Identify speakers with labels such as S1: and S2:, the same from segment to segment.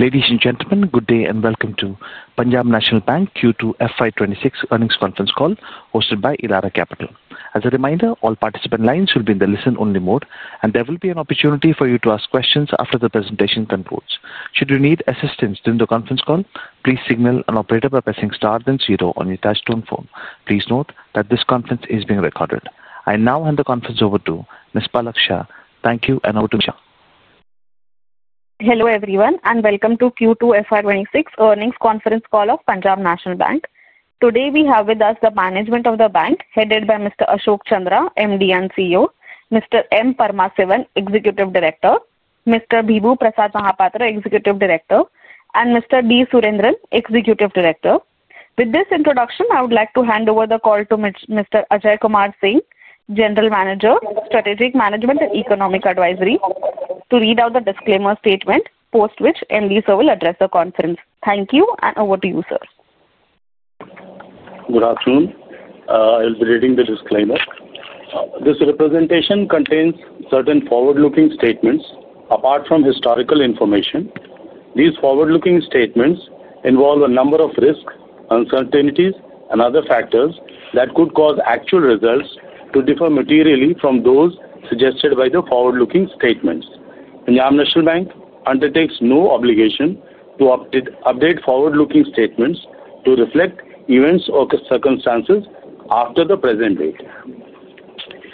S1: Ladies and gentlemen, good day and welcome to Punjab National Bank Q2 FY 2026 earnings conference call hosted by Elara Capital. As a reminder, all participant lines will be in the listen-only mode, and there will be an opportunity for you to ask questions after the presentation concludes. Should you need assistance during the conference call, please signal an operator by pressing star then zero on your touchtone phone. Please note that this conference is being recorded. I now hand the conference over to Ms. Palak Shah. Thank you and over to Ms.
S2: Hello everyone and welcome to Q2 FY 2026 earnings conference call of Punjab National Bank. Today we have with us the management of the bank, headed by Mr. Ashok Chandra, MD and CEO, Mr. M. Paramasivam, Executive Director, Mr. Bibhu Prasad Mahapatra, Executive Director, and Mr. D. Surendran, Executive Director. With this introduction, I would like to hand over the call to Mr. Ajay Singh, General Manager, Strategic Management and Economic Advisory, to read out the disclaimer statement, post which MD sir will address the conference. Thank you and over to you, sir.
S3: Good afternoon. I'll be reading the disclaimer. This representation contains certain forward-looking statements apart from historical information. These forward-looking statements involve a number of risks, uncertainties, and other factors that could cause actual results to differ materially from those suggested by the forward-looking statements. Punjab National Bank undertakes no obligation to update forward-looking statements to reflect events or circumstances after the present date.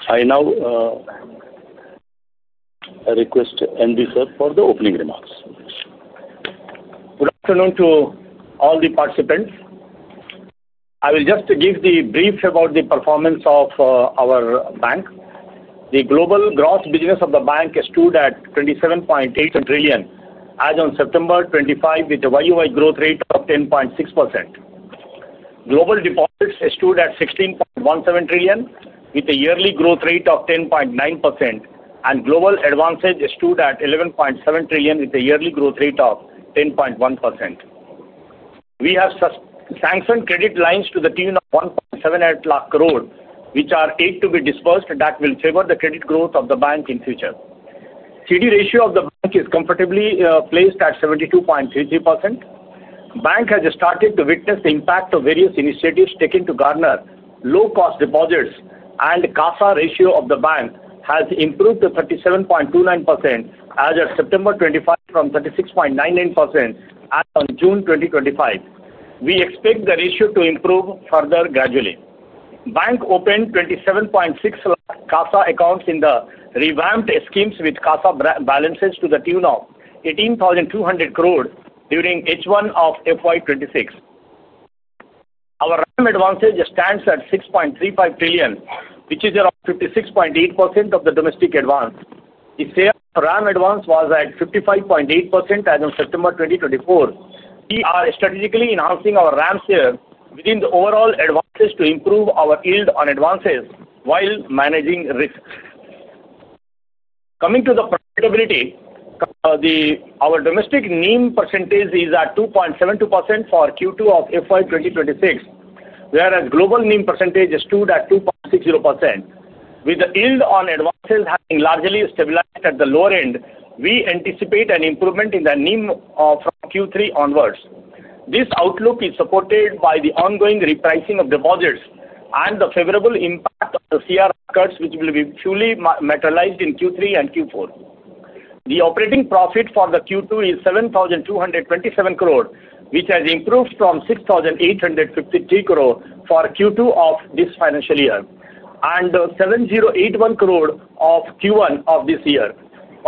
S3: I now request MD sir for the opening remarks.
S4: Good afternoon to all the participants. I will just give the brief about the performance of our bank. The global gross business of the bank stood at 27.8 trillion as on September 2025, with a year-on-year growth rate of 10.6%. Global deposits stood at 16.17 trillion, with a yearly growth rate of 10.9%, and global advances stood at 11.7 trillion, with a yearly growth rate of 10.1%. We have sanctioned credit lines to the tune of 1.7 lakh crore, which are aimed to be disbursed and that will favor the credit growth of the bank in the future. The CD ratio of the bank is comfortably placed at 72.33%. The bank has started to witness the impact of various initiatives taken to garner low-cost deposits, and the CASA ratio of the bank has improved to 37.29% as of September 2025, from 36.99% as of June 2025. We expect the ratio to improve further gradually. The bank opened 2.76 million CASA accounts in the revamped schemes with CASA balances to the tune of 18,200 crore during H1 of FY 2026. Our RAM advances stand at 6.35 trillion, which is around 56.8% of the domestic advances. The share of RAM advances was at 55.8% as of September 2024. We are strategically enhancing our RAM share within the overall advances to improve our yield on advances while managing risks. Coming to the profitability, our domestic NIM percentage is at 2.72% for Q2 of FY 2026, whereas global NIM percentage stood at 2.60%. With the yield on advances having largely stabilized at the lower end, we anticipate an improvement in the NIM from Q3 onwards. This outlook is supported by the ongoing repricing of deposits and the favorable impact of the CRAR, which will be fully materialized in Q3 and Q4. The operating profit for Q2 is 7,227 crore, which has improved from 6,853 crore for Q2 of this financial year and 7,081 crore of Q1 of this year.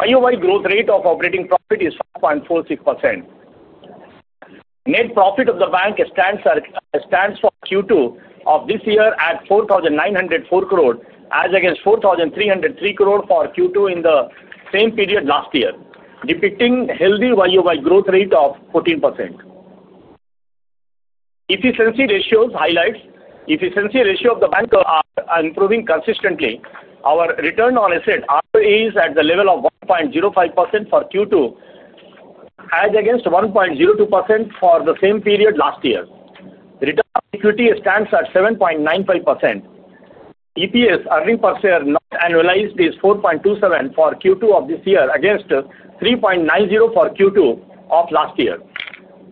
S4: Year-on-year growth rate of operating profit is 5.46%. Net profit of the bank stands for Q2 of this year at 4,904 crore as against 4,303 crore for Q2 in the same period last year, depicting a healthy year-on-year growth rate of 14%. Efficiency ratios highlight the efficiency ratio of the bank are improving consistently. Our return on assets is at the level of 1.05% for Q2 as against 1.02% for the same period last year. The return on equity stands at 7.95%. EPS, earnings per share not annualized, is 4.27 for Q2 of this year against 3.90 for Q2 of last year.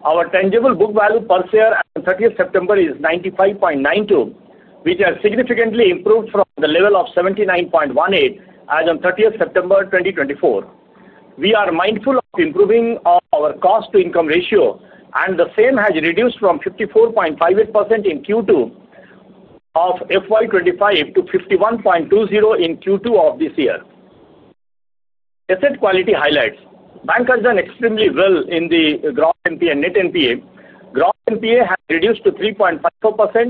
S4: Our tangible book value per share as of 30th September is 95.92, which has significantly improved from the level of 79.18 as of 30th September 2024. We are mindful of improving our cost-to-income ratio, and the same has reduced from 54.58% in Q2 of FY 2025 to 51.20% in Q2 of this year. Asset quality highlights the bank has done extremely well in the gross NPA. Net NPA, gross NPA has reduced to 3.54%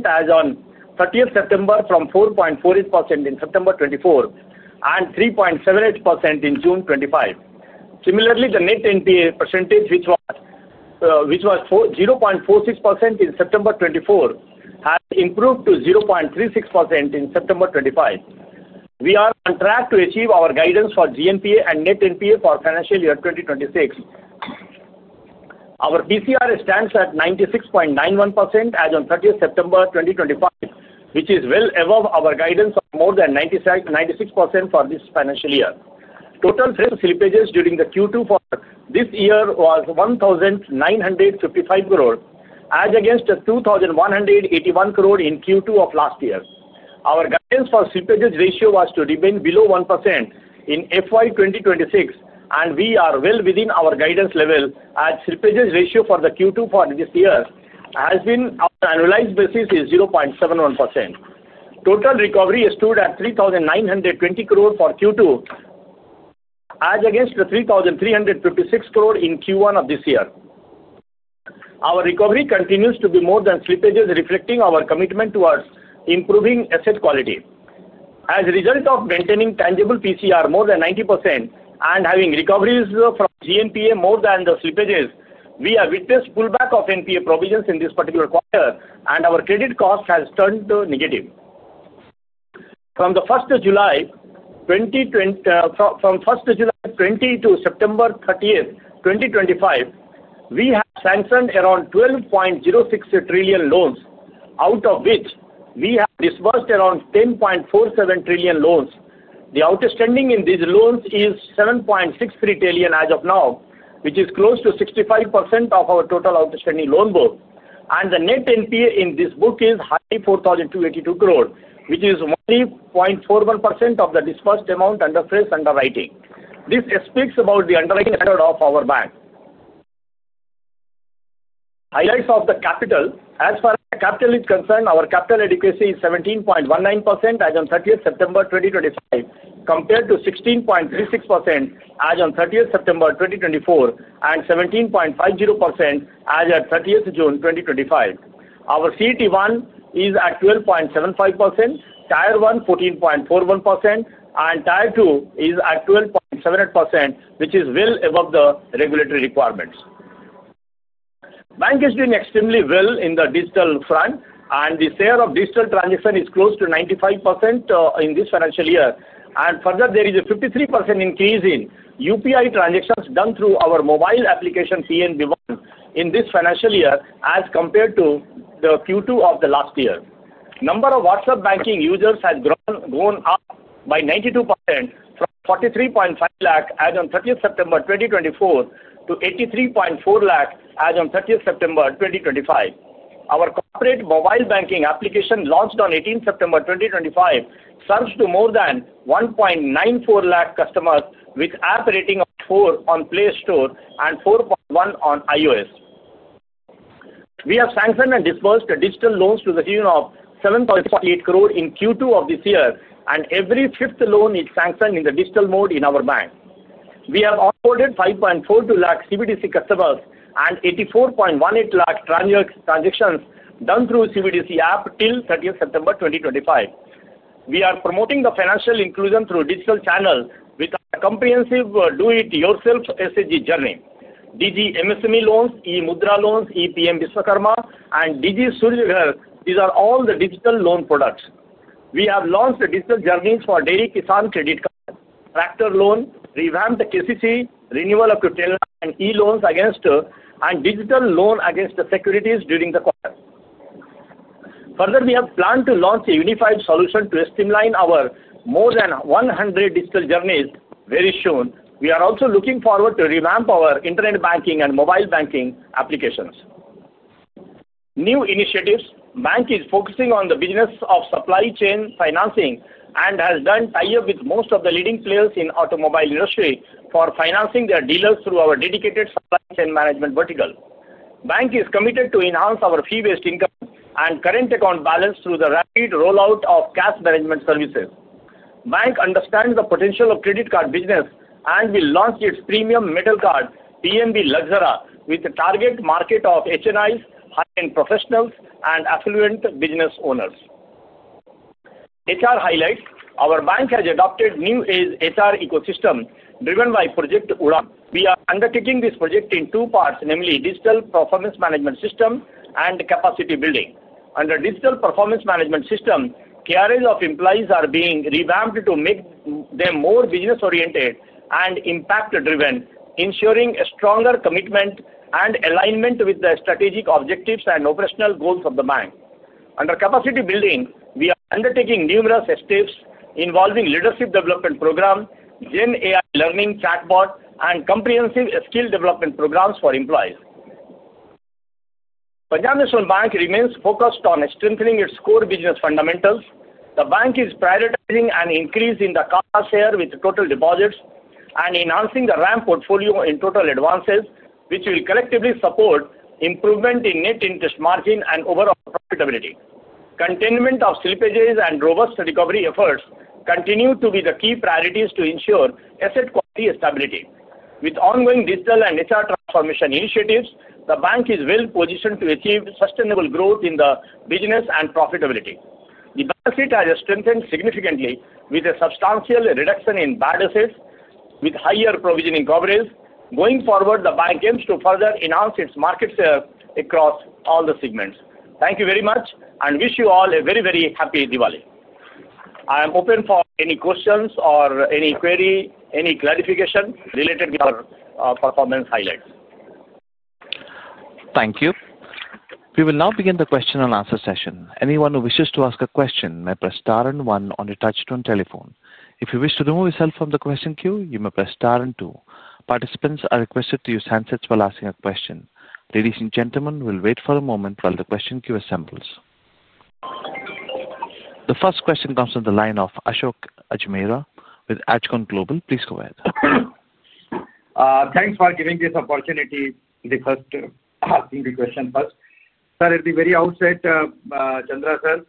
S4: as of 30th September, from 4.48% in September 2024 and 3.78% in June 2025. Similarly, the net NPA percentage, which was 0.46% in September 2024, has improved to 0.36% in September 2025. We are on track to achieve our guidance for gross NPA and net NPA for financial year 2026. Our PCR stands at 96.91% as of 30th September 2025, which is well above our guidance of more than 96% for this financial year. Total slippages during Q2 for this year was 1,955 crore as against 2,181 crore in Q2 of last year. Our guidance for slippages ratio was to remain below 1% in FY 2026, and we are well within our guidance level as slippages ratio for Q2 for this year has been on an annualized basis of 0.71%. Total recovery stood at 3,920 crore for Q2 as against 3,356 crore in Q1 of this year. Our recovery continues to be more than slippages, reflecting our commitment towards improving asset quality. As a result of maintaining tangible PCR more than 90% and having recoveries from gross NPA more than the slippages, we have witnessed pullback of NPA provisions in this particular quarter, and our credit cost has turned negative. From 1st July 2020 to 30th September 2025, we have sanctioned around 12.06 trillion loans, out of which we have disbursed around 10.47 trillion loans. The outstanding in these loans is 7.63 trillion as of now, which is close to 65% of our total outstanding loan book. The net NPA in this book is 4,282 crore, which is only 0.41% of the disbursed amount under phase underwriting. This speaks about the underlying standard of our bank. Highlights of the capital. As far as the capital is concerned, our capital adequacy is 17.19% as of 30th September 2025, compared to 16.36% as of 30th September 2024 and 17.50% as of 30th June 2025. Our CET1 is at 12.75%, Tier 1 14.41%, and Tier 2 is at 12.78%, which is well above the regulatory requirements. The bank is doing extremely well in the digital front, and the share of digital transactions is close to 95% in this financial year. There is a 53% increase in UPI transactions done through our mobile application PNB ONE in this financial year as compared to Q2 of last year. The number of WhatsApp banking users has grown by 92% from 4.35 million as of September 30, 2024 to 8.34 million as of September 30, 2025. Our corporate mobile banking application launched on 18th of September 2025 serves more than 194,000 customers with an app rating of 4 on Play Store and 4.1 on iOS. We have sanctioned and disbursed digital loans to the tune of 74.8 million in Q2 of this year, and every fifth loan is sanctioned in the digital mode in our bank. We have onboarded 542,000 CBDC customers and 8.418 million transactions done through the CBDC app till September 30, 2025. We are promoting financial inclusion through digital channels with our comprehensive do-it-yourself SDG journey. Digi MSME loans, E-Mudra loans, PM Vishwakarma, and Digi Surya Ghar are all digital loan products. We have launched digital journeys for Dairy Kisan credit card, tractor loan, revamped KCC, renewal of [Chautala], and E-loans against digital loan against securities during the quarter. We have planned to launch a unified solution to streamline our more than 100 digital journeys very soon. We are also looking forward to revamping our internet banking and mobile banking applications. The bank is focusing on the business of supply chain financing and has done tie-ups with most of the leading players in the automobile industry for financing their dealers through our dedicated supply chain management vertical. The bank is committed to enhancing our fee-based income and current account balance through the rapid rollout of cash management services. The bank understands the potential of the credit card business and will launch its premium metal card, PNB Lakhaura, with a target market of HNIs, high-end professionals, and affluent business owners. Our bank has adopted a new HR ecosystem driven by Project UDAAN. We are undertaking this project in two parts, namely digital performance management system and capacity building. Under digital performance management system, careers of employees are being revamped to make them more business-oriented and impact-driven, ensuring a stronger commitment and alignment with the strategic objectives and operational goals of the bank. Under capacity building, we are undertaking numerous steps involving leadership development programs, Gen AI learning chatbots, and comprehensive skill development programs for employees. Punjab National Bank remains focused on strengthening its core business fundamentals. The bank is prioritizing an increase in the CASA share with total deposits and enhancing the RAM portfolio in total advances, which will collectively support improvement in net interest margin and overall profitability. Containment of slippages and robust recovery efforts continue to be the key priorities to ensure asset quality stability. With ongoing digital and HR transformation initiatives, the bank is well positioned to achieve sustainable growth in the business and profitability. The deficit has strengthened significantly with a substantial reduction in bad assets, with higher provisioning coverage. Going forward, the bank aims to further enhance its market share across all the segments. Thank you very much and wish you all a very, very happy Diwali. I am open for any questions or any queries, any clarification related to our performance highlights.
S1: Thank you. We will now begin the question-and-answer session. Anyone who wishes to ask a question may press star and one on a touchtone telephone. If you wish to remove yourself from the question queue, you may press star and two. Participants are requested to use handsets while asking a question. Ladies and gentlemen, we'll wait for a moment while the question queue assembles. The first question comes from the line of Ashok Ajmera with Ajcon Global. Please go ahead.
S5: Thanks for giving this opportunity to ask the question first. Sir, at the very outset, Chandra sir,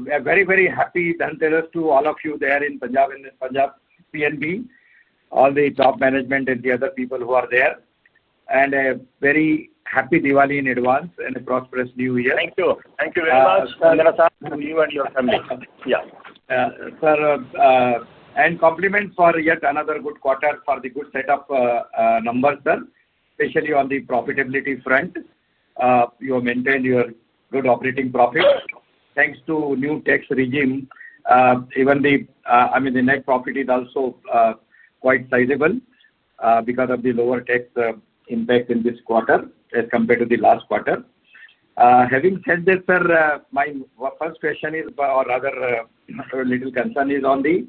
S5: we are very, very happy to tell all of you there in Punjab National Bank PNB, all the top management and the other people who are there, a very happy Diwali in advance and a prosperous New Year.
S4: Thank you.
S5: Thank you very much, Chandra sir, to you and your family. Sir, and compliments for yet another good quarter for the good setup numbers, sir, especially on the profitability front. You have maintained your good operating profits. Thanks to the new tax regime, even the net profit is also quite sizable because of the lower tax impact in this quarter as compared to the last quarter. Having said that, sir, my first question is, or rather, a little concern is on the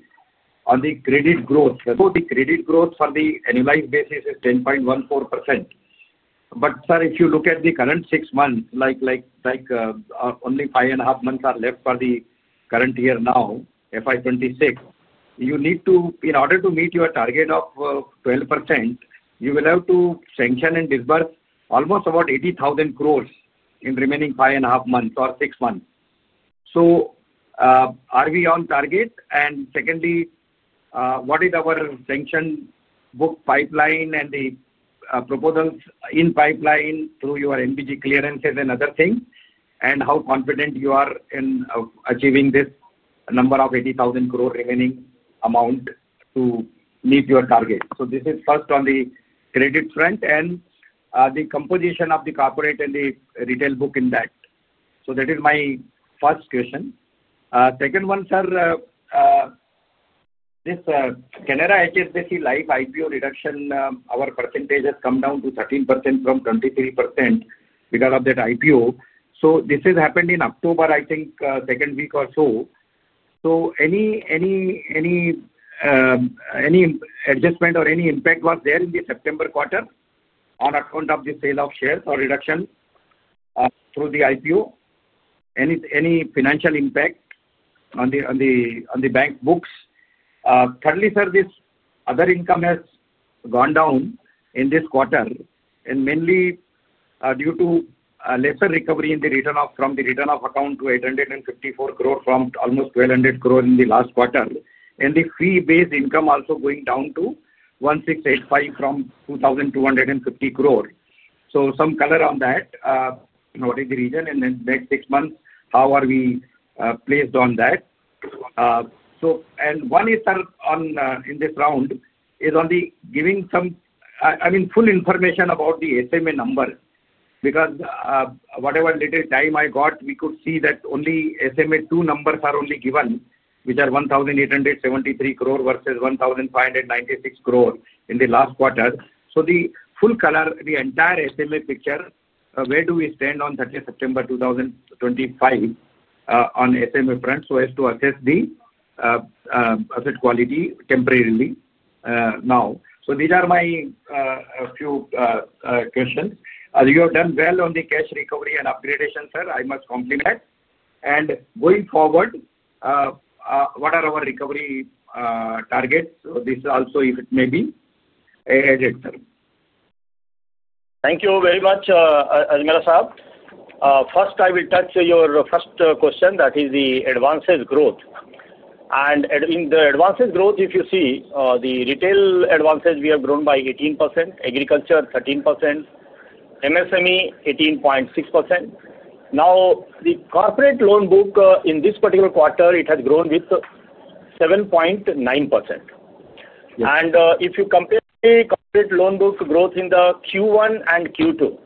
S5: credit growth. The credit growth for the annualized basis is 10.14%. If you look at the current six months, like only five and a half months are left for the current year now, FY 2026, you need to, in order to meet your target of 12%, you will have to sanction and disburse almost about 80,000 crore in the remaining five and a half months or six months. Are we on target? Secondly, what is our sanction book pipeline and the proposals in pipeline through your MBG clearances and other things, and how confident you are in achieving this number of 80,000 crore remaining amount to meet your target? This is first on the credit front and the composition of the corporate and the retail book in that. That is my first question. Second one, sir, this Canara HSBC Life IPO reduction, our percentage has come down to 13% from 23% because of that IPO. This has happened in October, I think, the second week or so. Any adjustment or any impact was there in the September quarter on account of the sale of shares or reduction through the IPO? Any financial impact on the bank books? Thirdly, sir, this other income has gone down in this quarter, and mainly due to a lesser recovery in the return of from the return of account to 854 crore from almost 1,200 crore in the last quarter, and the fee-based income also going down to 1,685 crore from 2,250 crore. Some color on that. What is the reason? In the next six months, how are we placed on that? One is, sir, in this round is on the giving some, I mean, full information about the SMA number because whatever little time I got, we could see that only SMA 2 numbers are only given, which are 1,873 crore versus 1,596 crore in the last quarter. The full color, the entire SMA picture, where do we stand on 30 September 2025 on SMA front so as to assess the asset quality temporarily now? These are my few questions. You have done well on the cash recovery and upgradation, sir. I must compliment. Going forward, what are our recovery targets? This is also, if it may be added, sir.
S4: Thank you very much, Ajmera sir. First, I will touch your first question, that is the advances growth. In the advances growth, if you see the retail advances, we have grown by 18%, agriculture 13%, MSME 18.6%. Now, the corporate loan book in this particular quarter has grown with 7.9%. If you compare the corporate loan book growth in Q1 and Q2,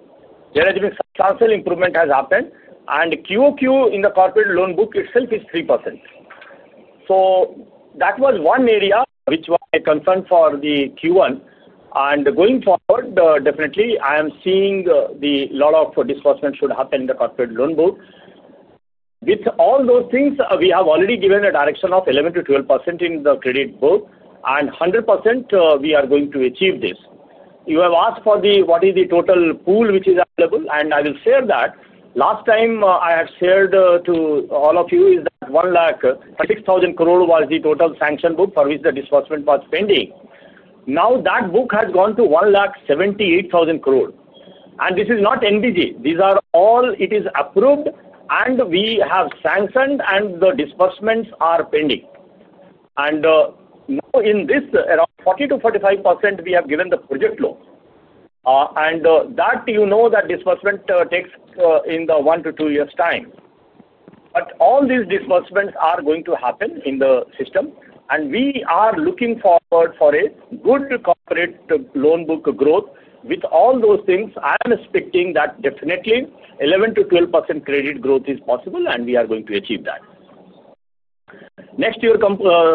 S4: there has been a substantial improvement that has happened. QoQ in the corporate loan book itself is 3%. That was one area which was a concern for Q1. Going forward, definitely, I am seeing a lot of disbursement should happen in the corporate loan book. With all those things, we have already given a direction of 11%-12% in the credit book, and 100% we are going to achieve this. You have asked for what is the total pool which is available, and I will share that. Last time I have shared to all of you is that 1,600,000 crore was the total sanction book for which the disbursement was pending. Now that book has gone to 1,78,000 crore. This is not NBG. These are all, it is approved, and we have sanctioned, and the disbursements are pending. In this, around 40%-45% we have given the project loan. You know that disbursement takes in the one to two years' time. All these disbursements are going to happen in the system, and we are looking forward for a good corporate loan book growth. With all those things, I'm expecting that definitely 11% to 12% credit growth is possible, and we are going to achieve that. Next, your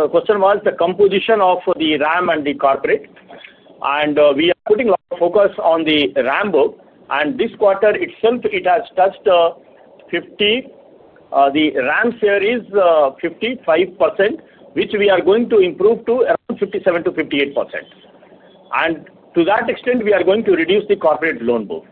S4: question was the composition of the RAM and the corporate. We are putting a lot of focus on the RAM book. This quarter itself, it has touched 50. The RAM share is 55%, which we are going to improve to around 57%-58%. To that extent, we are going to reduce the corporate loan book.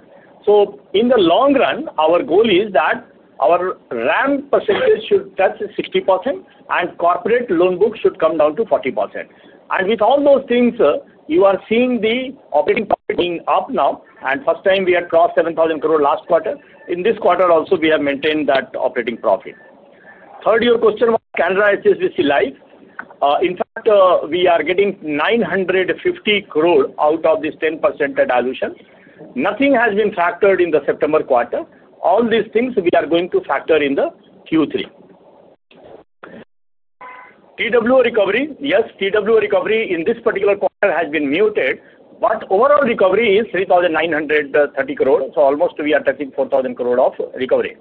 S4: In the long run, our goal is that our RAM percentage should touch 60%, and corporate loan book should come down to 40%. With all those things, you are seeing the operating profit being up now. The first time we had crossed 7,000 crore last quarter. In this quarter also, we have maintained that operating profit. Third, your question was Canara HSBC Life. In fact, we are getting 950 crore out of this 10% dilution. Nothing has been factored in the September quarter. All these things we are going to factor in Q3. TW recovery, yes, TW recovery in this particular quarter has been muted, but overall recovery is 3,930 crore. Almost we are touching 4,000 crore of recovery.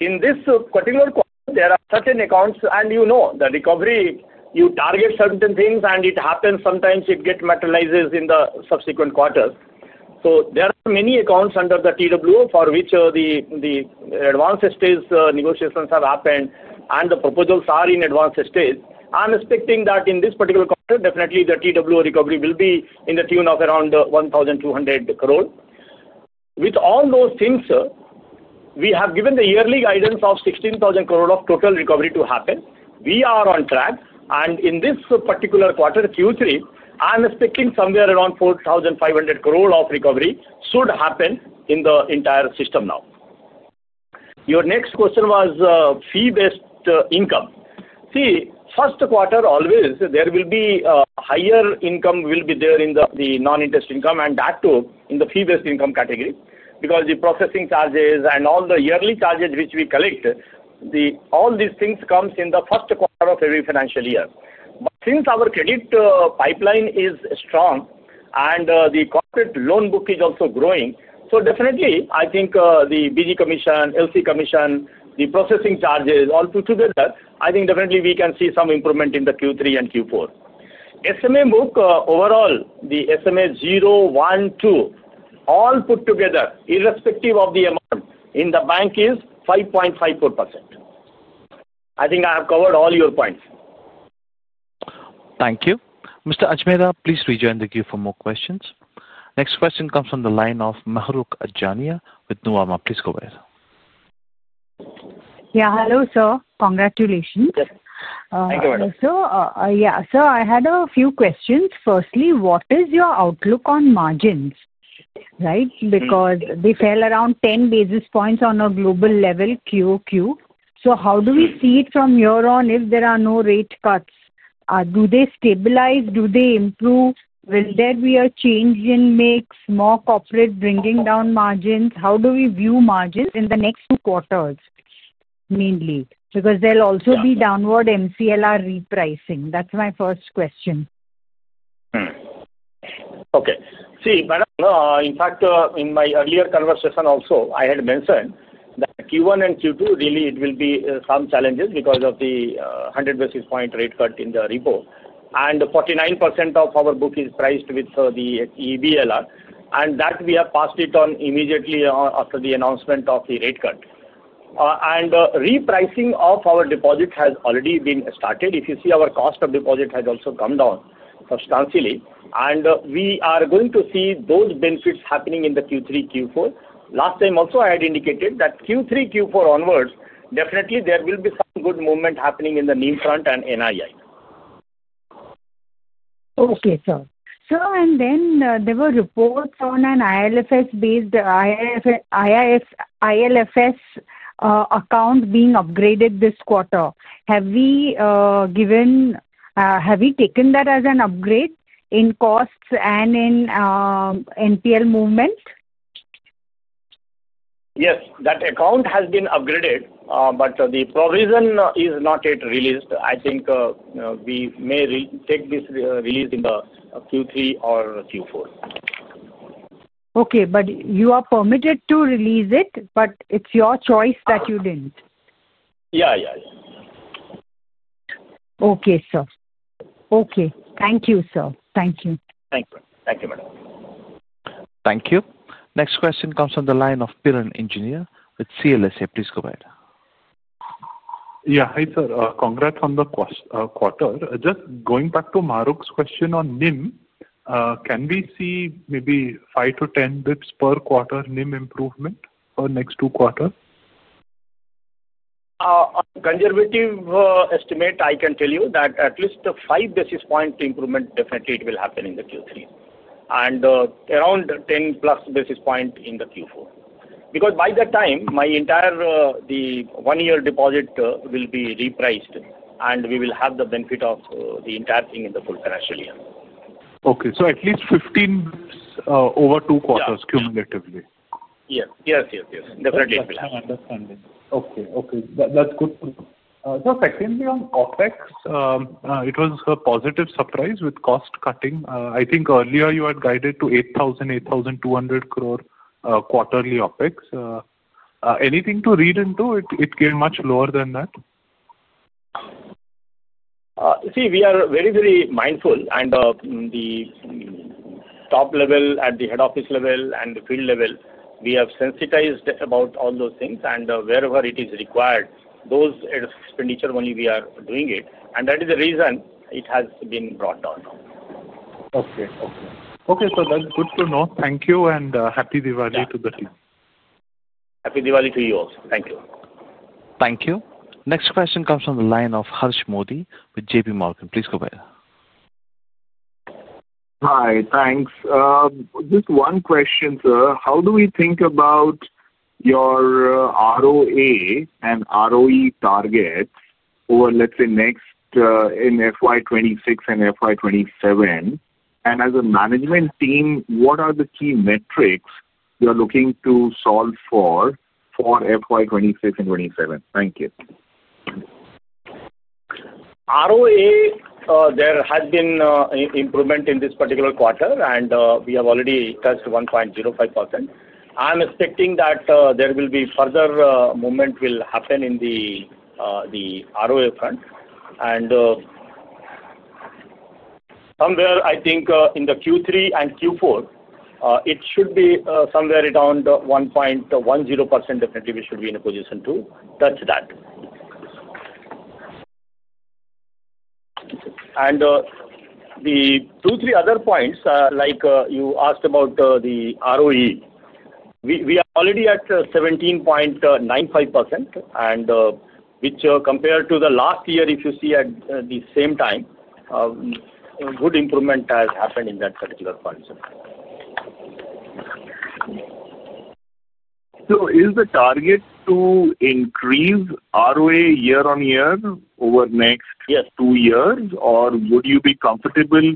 S4: In this particular quarter, there are certain accounts, and you know the recovery, you target certain things, and it happens sometimes it gets materialized in the subsequent quarters. There are many accounts under the TW for which the advance stage negotiations have happened, and the proposals are in advance stage. I'm expecting that in this particular quarter, definitely the TW recovery will be in the tune of around 1,200 crore. With all those things, we have given the yearly guidance of 16,000 crore of total recovery to happen. We are on track. In this particular quarter, Q3, I'm expecting somewhere around 4,500 crore of recovery should happen in the entire system now. Your next question was fee-based income. See, first quarter always there will be a higher income will be there in the non-interest income and that too in the fee-based income category because the processing charges and all the yearly charges which we collect, all these things come in the first quarter of every financial year. Since our credit pipeline is strong and the corporate loan book is also growing, definitely I think the BG Commission, LC Commission, the processing charges, all put together, I think definitely we can see some improvement in the Q3 and Q4. SMA book overall, the SMA 0, 1, 2, all put together, irrespective of the amount in the bank is 5.54%. I think I have covered all your points.
S1: Thank you. Mr. Ajmera, please rejoin the queue for more questions. Next question comes from the line of Mahrukh Adajania with Nuvama. Please go ahead.
S6: Yeah, hello, sir. Congratulations.
S4: Thank you, madam.
S6: Sir, I had a few questions. Firstly, what is your outlook on margins? Right? Because they fell around 10 basis points on a global level QoQ. How do we see it from your end if there are no rate cuts? Do they stabilize? Do they improve? Will there be a change in mix, more corporate bringing down margins? How do we view margins in the next two quarters mainly? Because there'll also be downward MCLR repricing. That's my first question.
S4: Okay. See, madam, in fact, in my earlier conversation also, I had mentioned that Q1 and Q2 really it will be some challenges because of the 100 basis point rate cut in the repo. 49% of our book is priced with the EBLR. We have passed it on immediately after the announcement of the rate cut. Repricing of our deposit has already been started. If you see, our cost of deposit has also come down substantially. We are going to see those benefits happening in Q3, Q4. Last time also I had indicated that Q3, Q4 onwards, definitely there will be some good movement happening in the NIM front and NII.
S6: Okay, sir. Sir, there were reports on an ILFS-based ILFS account being upgraded this quarter. Have we taken that as an upgrade in costs and in NPL movement?
S4: Yes. That account has been upgraded, but the provision is not yet released. I think we may take this release in Q3 or Q4.
S6: Okay, you are permitted to release it, but it's your choice that you didn't.
S4: Yeah, yeah.
S6: Okay, sir. Okay. Thank you, sir. Thank you.
S4: Thank you. Thank you, Madam.
S1: Thank you. Next question comes from the line of Piran Engineer with CLSA. Please go ahead.
S7: Yeah. Hi, sir. Congrats on the quarter. Just going back to Marolf's question on NIM, can we see maybe 5 bps-10 bps per quarter NIM improvement for the next two quarters?
S4: Conservative estimate, I can tell you that at least the 5 basis point improvement definitely it will happen in the Q3, and around 10+ basis point in the Q4. Because by that time, my entire one-year deposit will be repriced, and we will have the benefit of the entire thing in the full financial year.
S7: At least 15 bps over two quarters cumulatively.
S4: Yes, yes, yes. Definitely.
S7: Understanding. Okay. That's good. Just secondly, on OpEx, it was a positive surprise with cost cutting. I think earlier you had guided to 8,000, 8,200 crore quarterly OpEx. Anything to read into it? It came much lower than that.
S4: We are very, very mindful. At the top level at the Head Office level and the field level, we have sensitized about all those things. Wherever it is required, those expenditure only we are doing it. That is the reason it has been brought down now.
S2: Okay. That's good to know. Thank you and happy Diwali to the team.
S4: Happy Diwali to you also. Thank you.
S1: Thank you. Next question comes from the line of Harsh Modi with JPMorgan. Please go ahead.
S8: Hi. Thanks. Just one question, sir. How do we think about your ROA and ROE targets over, let's say, next in FY 2026 and FY 2027? As a management team, what are the key metrics you are looking to solve for for FY 2026 and FY 2027? Thank you.
S4: ROA, there has been an improvement in this particular quarter, and we have already touched 1.05%. I'm expecting that there will be further movement in the ROA front. Somewhere I think in Q3 and Q4, it should be somewhere around 1.10%. We should definitely be in a position to touch that. The two, three other points, like you asked about the ROE, we are already at 17.95%, which compared to last year, if you see at the same time, a good improvement has happened in that particular quarter.
S8: Is the target to increase ROA year-on-year over the next two years, or would you be comfortable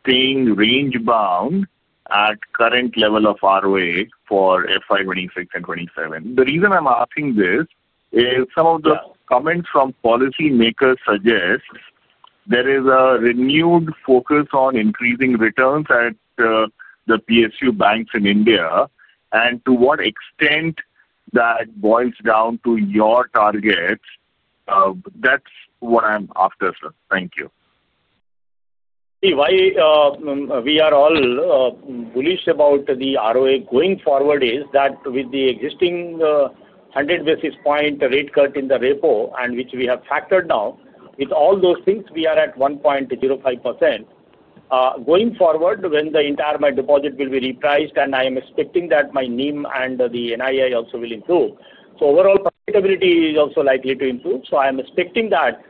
S8: staying range-bound at the current level of ROA for FY 2026 and FY 2027? The reason I'm asking this is some of the comments from policymakers suggest there is a renewed focus on increasing returns at the PSU banks in India. To what extent that boils down to your targets, that's what I'm after, sir. Thank you.
S4: See, why we are all bullish about the ROA going forward is that with the existing 100 basis point rate cut in the repo and which we have factored now, with all those things, we are at 1.05%. Going forward, when the entire my deposit will be repriced, I am expecting that my NIM and the NII also will improve. Overall profitability is also likely to improve. I'm expecting that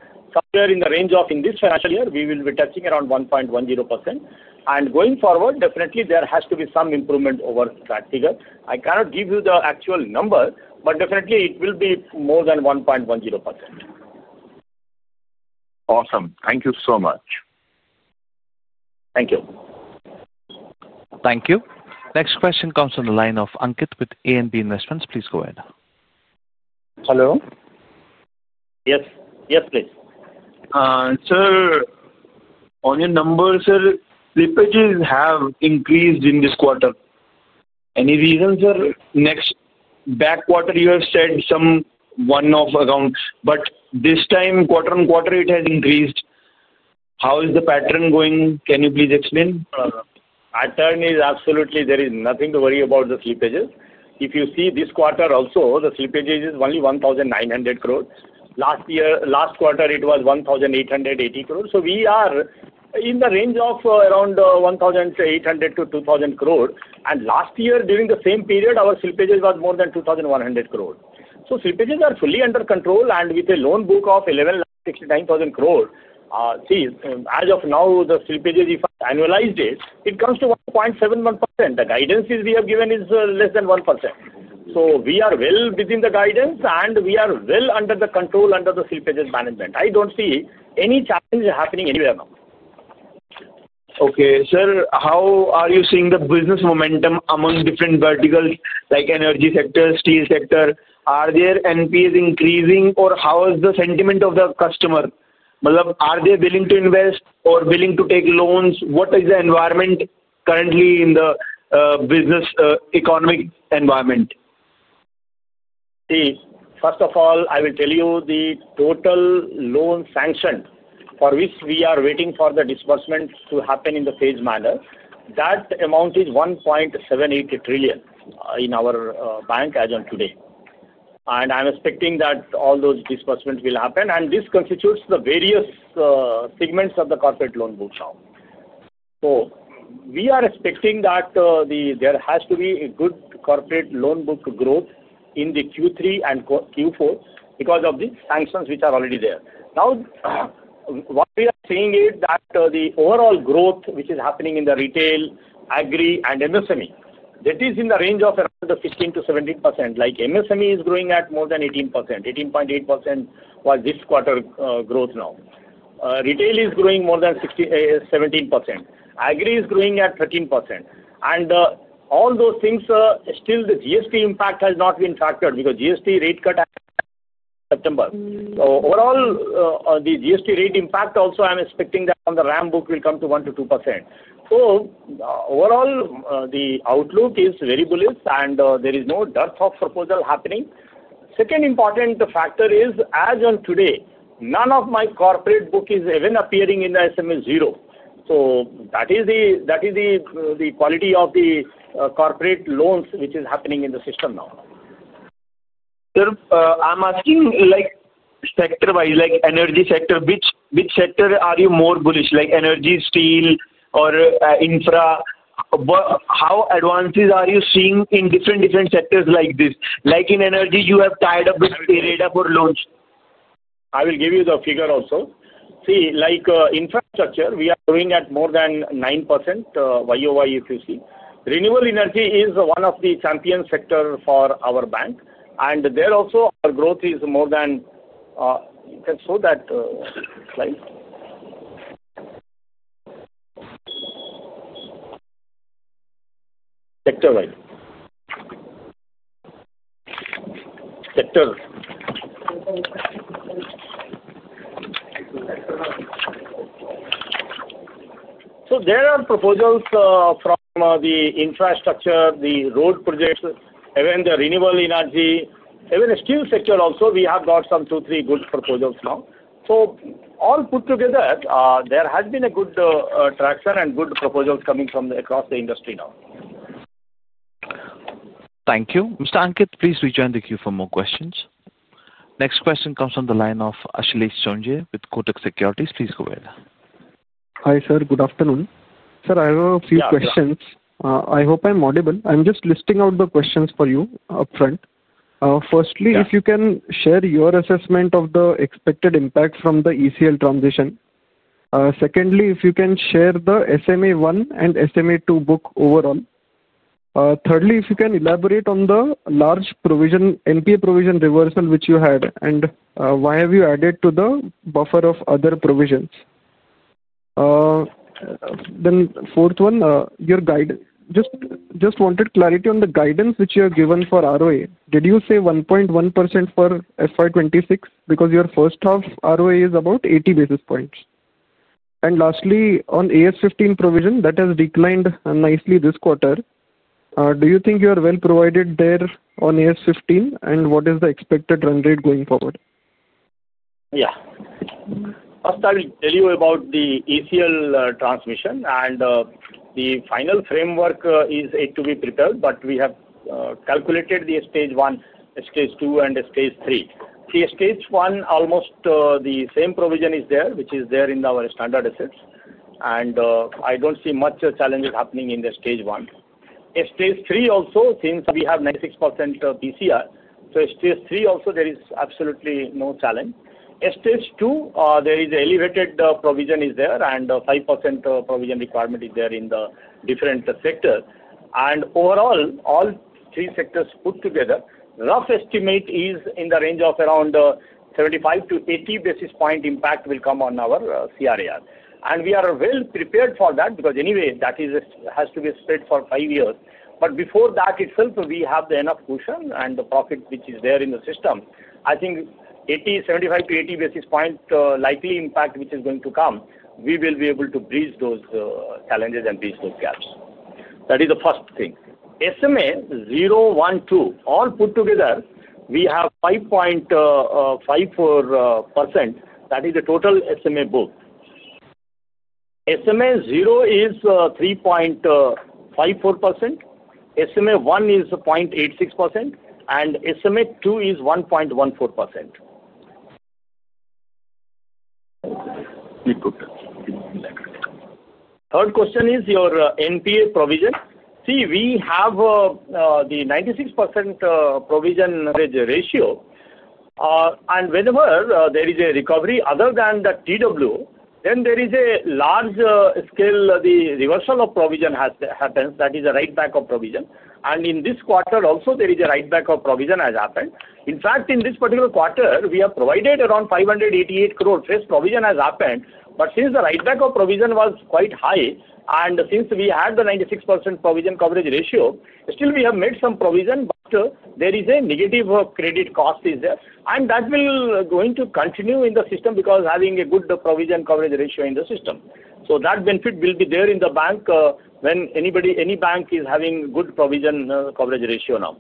S4: somewhere in the range of in this financial year, we will be touching around 1.10%. Going forward, definitely there has to be some improvement over that figure. I cannot give you the actual number, but definitely it will be more than 1.10%.
S8: Awesome. Thank you so much.
S4: Thank you.
S1: Thank you. Next question comes from the line of Ankit with ANB Investments. Please go ahead.
S9: Hello.
S4: Yes, please.
S9: Sir, on your number, sir, slippages have increased in this quarter. Any reason, sir? Next back quarter, you have said some one-off accounts, but this time, quarter on quarter, it has increased. How is the pattern going? Can you please explain?
S4: Pattern is absolutely there is nothing to worry about the slippages. If you see this quarter also, the slippages is only 1,900 crore. Last year, last quarter, it was 1,880 crore. We are in the range of around 1,800-2,000 crore. Last year, during the same period, our slippages were more than 2,100 crore. Slippages are fully under control. With a loan book of 11,69,000 crore, as of now, the slippages, if I annualize this, it comes to 1.71%. The guidance we have given is less than 1%. We are well within the guidance, and we are well under the control under the slippages management. I don't see any challenge happening anywhere now.
S9: Okay, sir. How are you seeing the business momentum among different verticals like energy sector, steel sector? Are their NPAs increasing, or how is the sentiment of the customer? Are they willing to invest or willing to take loans? What is the environment currently in the business economic environment?
S4: See, first of all, I will tell you the total loan sanction for which we are waiting for the disbursement to happen in a phased manner. That amount is 1.78 trillion in our bank as of today. I'm expecting that all those disbursements will happen, and this constitutes the various segments of the corporate loan book now. We are expecting that there has to be a good corporate loan book growth in Q3 and Q4 because of the sanctions which are already there. What we are seeing is that the overall growth which is happening in the retail, agri, and MSME, that is in the range of around 15%-17%. Like MSME is growing at more than 18%. 18.8% was this quarter growth now. Retail is growing more than 17%. Agri is growing at 13%. All those things, still, the GST impact has not been factored because GST rate cut in September. Overall, the GST rate impact also I'm expecting that on the RAM advances book will come to 1%-2%. Overall, the outlook is very bullish, and there is no dearth of proposal happening. Second important factor is as of today, none of my corporate book is even appearing in the SMA 0. That is the quality of the corporate loans which is happening in the system now.
S10: Sir, I'm asking like sector-wise, like energy sector, which sector are you more bullish, like energy, steel, or infra? How advances are you seeing in different, different sectors like this? Like in energy, you have tied up with a trade-off for loans.
S1: I will give you the figure also. See, like infrastructure, we are growing at more than 9% YoY if you see. Renewable energy is one of the champion sectors for our bank. There also, our growth is more than, you can show that slide. Sector-wise. Sector. There are proposals from the infrastructure, the road projects, even the renewable energy, even the steel sector also. We have got some two, three good proposals now. All put together, there has been a good traction and good proposals coming from across the industry now. Thank you. Mr. Ankit, please rejoin the queue for more questions. Next question comes from the line of Ashley Sange with Kotak Securities. Please go ahead.
S11: Hi, sir. Good afternoon. Sir, I have a few questions. I hope I'm audible. I'm just listing out the questions for you upfront. Firstly, if you can share your assessment of the expected impact from the ECL transition. Secondly, if you can share the SMA 1 and SMA 2 book overall. Thirdly, if you can elaborate on the large NPA provision reversal which you had and why have you added to the buffer of other provisions. The fourth one, your guidance. Just wanted clarity on the guidance which you have given for ROA. Did you say 1.1% for FY 2026 because your first half ROA is about 80 basis points? Lastly, on AS15 provision, that has declined nicely this quarter. Do you think you are well provided there on AS15? What is the expected run rate going forward?
S4: Yeah. First, I will tell you about the ECL transition. The final framework is yet to be prepared, but we have calculated the stage one, stage two, and stage three. The stage one, almost the same provision is there, which is there in our standard assets. I don't see much challenges happening in the stage one. Stage three also, since we have 96% PCR, stage three also, there is absolutely no challenge. Stage two, there is an elevated provision, and 5% provision requirement is there in the different sectors. Overall, all three sectors put together, rough estimate is in the range of around 75 basis points-80 basis point impact will come on our CRAR. We are well prepared for that because anyway, that has to be spread for five years. Before that itself, we have enough cushion and the profit which is there in the system. I think 75 basis points-80 basis point likely impact which is going to come, we will be able to bridge those challenges and bridge those gaps. That is the first thing. SMA 0, 1, 2, all put together, we have 5.54%. That is the total SMA book. SMA 0 is 3.54%. SMA 1 is 0.86%. SMA 2 is 1.14%.
S11: Good.
S4: Third question is your NPA provision. See, we have the 96% provision ratio. Whenever there is a recovery other than the TW, then there is a large scale reversal of provision that happens. That is a write-back of provision. In this quarter also, there is a write-back of provision that has happened. In fact, in this particular quarter, we have provided around 588 crore. First provision has happened, but since the write-back of provision was quite high, and since we had the 96% provision coverage ratio, still we have made some provision, but there is a negative credit cost. That will continue in the system because of having a good provision coverage ratio in the system. That benefit will be there in the bank when anybody, any bank, is having good provision coverage ratio now.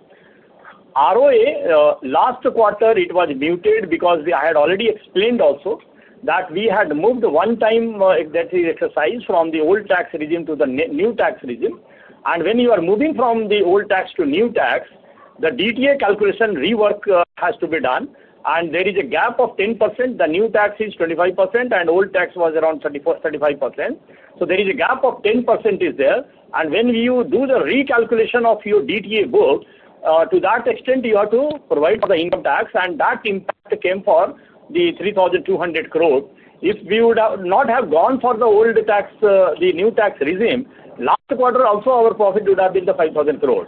S4: ROA, last quarter, it was muted because I had already explained also that we had moved one time, that we exercised from the old tax regime to the new tax regime. When you are moving from the old tax to new tax, the DTA calculation rework has to be done. There is a gap of 10%. The new tax is 25%, and old tax was around 34%, 35%. There is a gap of 10%. When you do the recalculation of your DTA book, to that extent, you have to provide for the income tax. That impact came for the 3,200 crore. If we would not have gone for the new tax regime, last quarter also, our profit would have been 5,000 crore.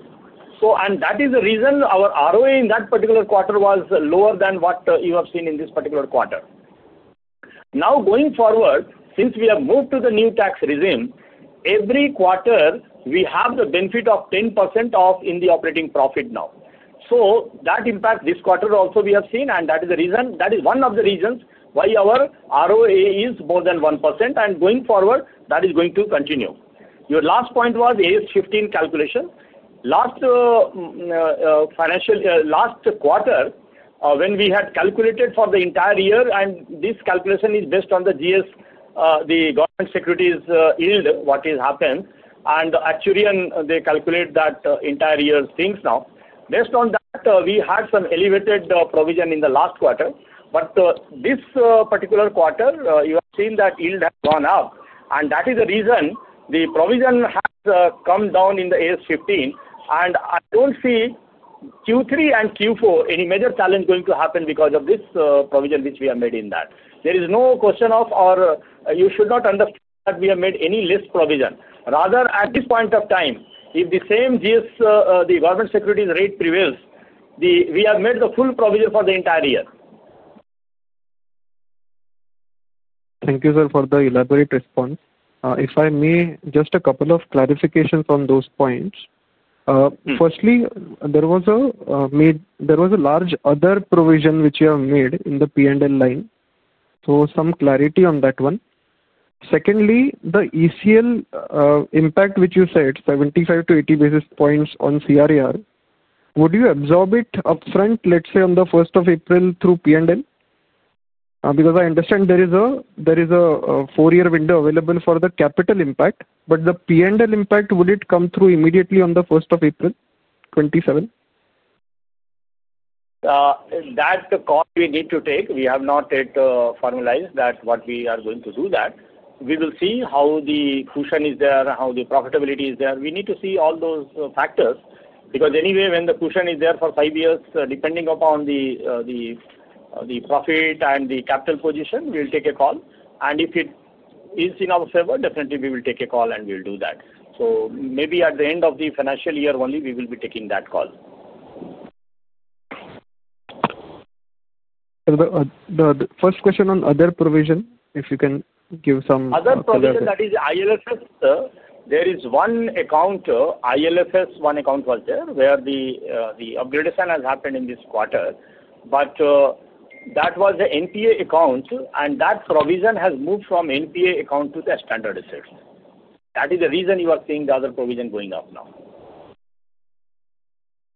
S4: That is the reason our ROA in that particular quarter was lower than what you have seen in this particular quarter. Now going forward, since we have moved to the new tax regime, every quarter, we have the benefit of 10% in the operating profit now. That impact this quarter also we have seen. That is one of the reasons why our ROA is more than 1%. Going forward, that is going to continue. Your last point was AS15 calculation. Last quarter, when we had calculated for the entire year, this calculation is based on the GS, the government securities yield, what has happened. Actually, they calculate that entire year's things now. Based on that, we had some elevated provision in the last quarter. This particular quarter, you have seen that yield has gone up. That is the reason the provision has come down in the AS15. I don't see Q3 and Q4 any major challenge going to happen because of this provision which we have made in that. There is no question of, or you should not understand that we have made any less provision. Rather, at this point of time, if the same government securities rate prevails, we have made the full provision for the entire year.
S11: Thank you, sir, for the elaborate response. If I may, just a couple of clarifications on those points. Firstly, there was a large other provision which you have made in the P&L line. Some clarity on that one. Secondly, the ECL impact which you said, 75 basis points-80 basis points on CRAR, would you absorb it upfront, let's say, on the 1st of April through P&L? I understand there is a four-year window available for the capital impact. The P&L impact, would it come through immediately on the 1st of April 2027?
S4: That's the cost we need to take. We have not yet formalized what we are going to do. We will see how the cushion is there, how the profitability is there. We need to see all those factors because anyway, when the cushion is there for five years, depending upon the profit and the capital position, we'll take a call. If it is in our favor, definitely we will take a call and we'll do that. Maybe at the end of the financial year only, we will be taking that call.
S11: The first question on other provision, if you can give some.
S4: Other provision, that is ILFS. There is one account, ILFS, one account was there where the upgradation has happened in this quarter. That was the NPA account, and that provision has moved from NPA account to the standard assets. That is the reason you are seeing the other provision going up now.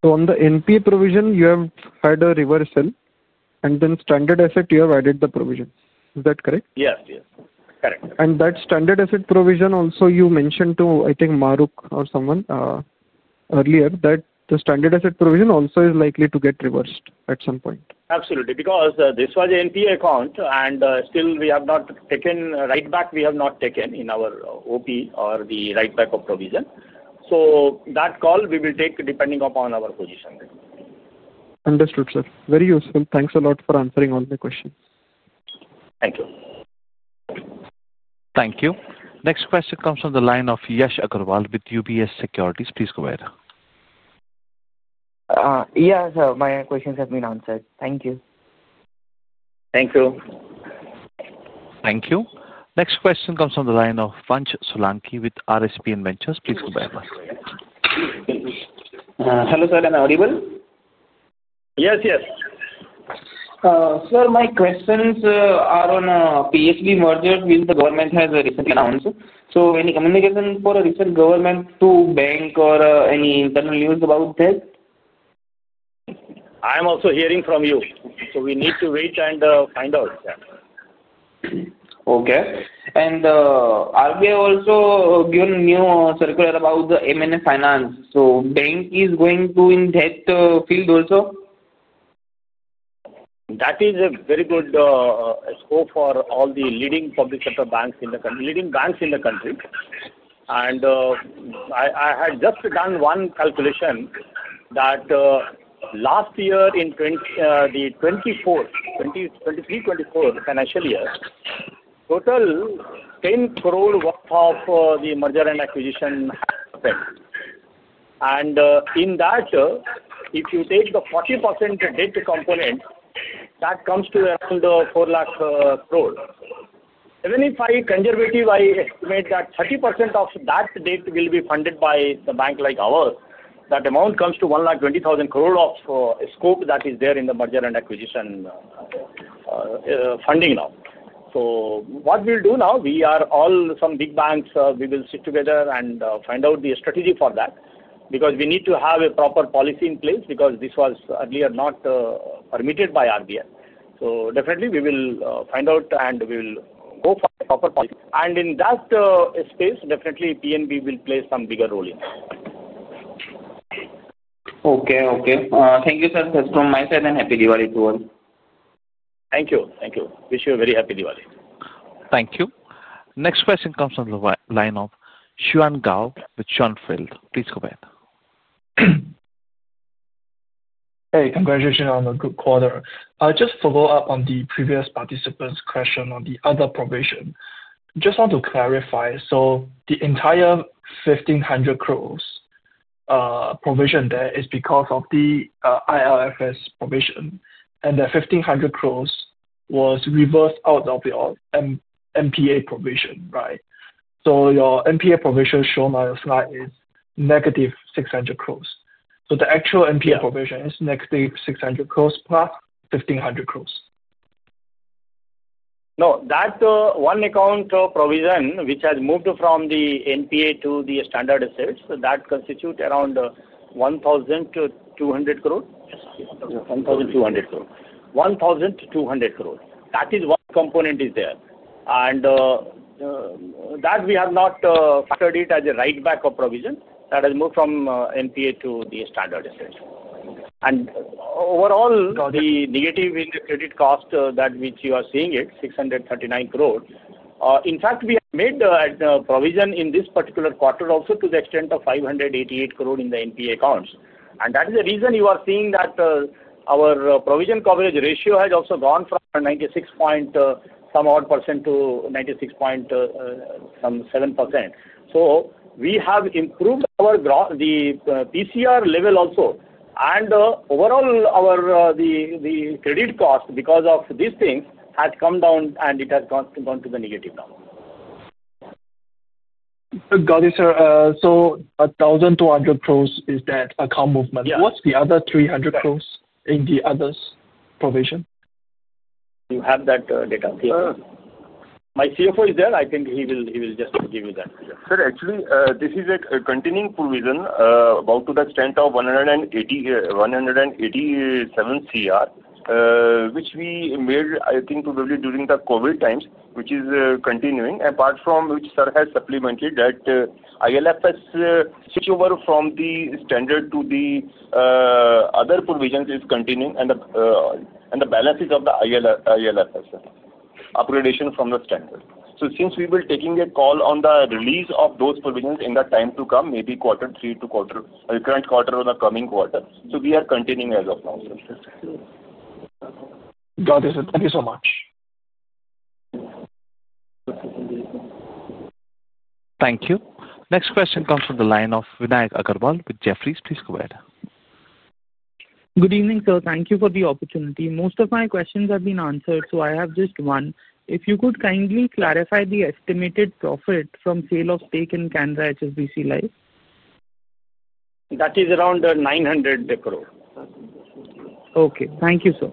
S11: On the NPA provision, you have had a reversal, and then standard asset, you have added the provision. Is that correct?
S4: Yes, yes. Correct.
S11: That standard asset provision also, you mentioned to, I think, [Gerald Marolf] or someone earlier, that the standard asset provision also is likely to get reversed at some point.
S4: Absolutely. Because this was an NPA account, and still we have not taken write-back. We have not taken in our operating profit or the write-back of provision. That call we will take depending upon our position.
S11: Understood, sir. Very useful. Thanks a lot for answering all my questions.
S4: Thank you.
S1: Thank you. Next question comes from the line of Yash Agarwal with UBS Securities. Please go ahead.
S12: Yes, sir. My questions have been answered. Thank you.
S4: Thank you.
S1: Thank you. Next question comes from the line of [Panch Solanki with RSP Inventors]. Please go ahead.
S13: Hello, sir. Am I audible?
S4: Yes, yes.
S13: Sir, my questions are on PSB mergers which the government has recently announced. Is there any communication from the recent government to the bank or any internal news about that?
S4: I am also hearing from you. We need to wait and find out.
S13: Okay. Are there also, given new circular about the M&A finance, the bank is going to in that field also?
S4: That is a very good scope for all the leading public sector banks in the country, leading banks in the country. I had just done one calculation that last year in the 2023-24 financial year, total 10 crore worth of the merger and acquisition spend. In that, if you take the 40% debt component, that comes to around 4 lakh crore. Even if I am conservative, I estimate that 30% of that debt will be funded by a bank like ours. That amount comes to 1,20,000 crore of scope that is there in the merger and acquisition funding now. What we will do now, we are all some big banks. We will sit together and find out the strategy for that because we need to have a proper policy in place. This was earlier not permitted by RBI. We will definitely find out and we will go for a proper policy. In that space, definitely PNB will play some bigger role in that.
S13: Okay. Thank you, sir. That's from my side, and happy Diwali to all.
S4: Thank you. Thank you. Wish you a very happy Diwali.
S1: Thank you. Next question comes from the line of [Xuan Gao with Xuanfield]. Please go ahead.
S14: Hey, congratulations on the good quarter. Just to follow up on the previous participant's question on the other provision, just want to clarify. The entire 1,500 crore provision there is because of the IRFS provision. The 1,500 crore was reversed out of your NPA provision, right? Your NPA provision shown on the slide is -600 crore. The actual NPA provision is -600 crore + 1,500 crore.
S4: No, that one account provision which has moved from the NPA to the standard assets, that constitutes around 1.2 billion.
S14: 1,200 crore.
S4: 1,200 crore. That is one component is there. We have not factored it as a write-back of provision that has moved from NPA to the standard assets. Overall, the negative in the credit cost that you are seeing is 639 crore. In fact, we have made a provision in this particular quarter also to the extent of 588 crore in the NPA accounts. That is the reason you are seeing that our provision coverage ratio has also gone from 96%-96.7%. We have improved our PCR level also. Overall, our credit cost because of these things has come down and it has gone to the negative now.
S14: Got it, sir. 1,200 crore is that account movement. What's the other 300 crore in the others provision?
S4: You have that data? My CFO is there. I think he will just give you that.
S3: Sir, actually, this is a continuing provision to the extent of 187 crore, which we made, I think, probably during the COVID times, which is continuing. Apart from which, sir has supplemented that ILFS switchover from the standard to the other provisions is continuing, and the balances of the ILFS upgradation from the standard. Since we will be taking a call on the release of those provisions in the time to come, maybe quarter three or the current quarter or the coming quarter, we are continuing as of now.
S14: Got it, sir. Thank you so much.
S1: Thank you. Next question comes from the line of Vinayak Agarwal with Jefferies. Please go ahead.
S15: Good evening, sir. Thank you for the opportunity. Most of my questions have been answered. I have just one. If you could kindly clarify the estimated profit from sale of stake in Canara HSBC Life.
S4: That is around 900 crore.
S15: Okay. Thank you, sir.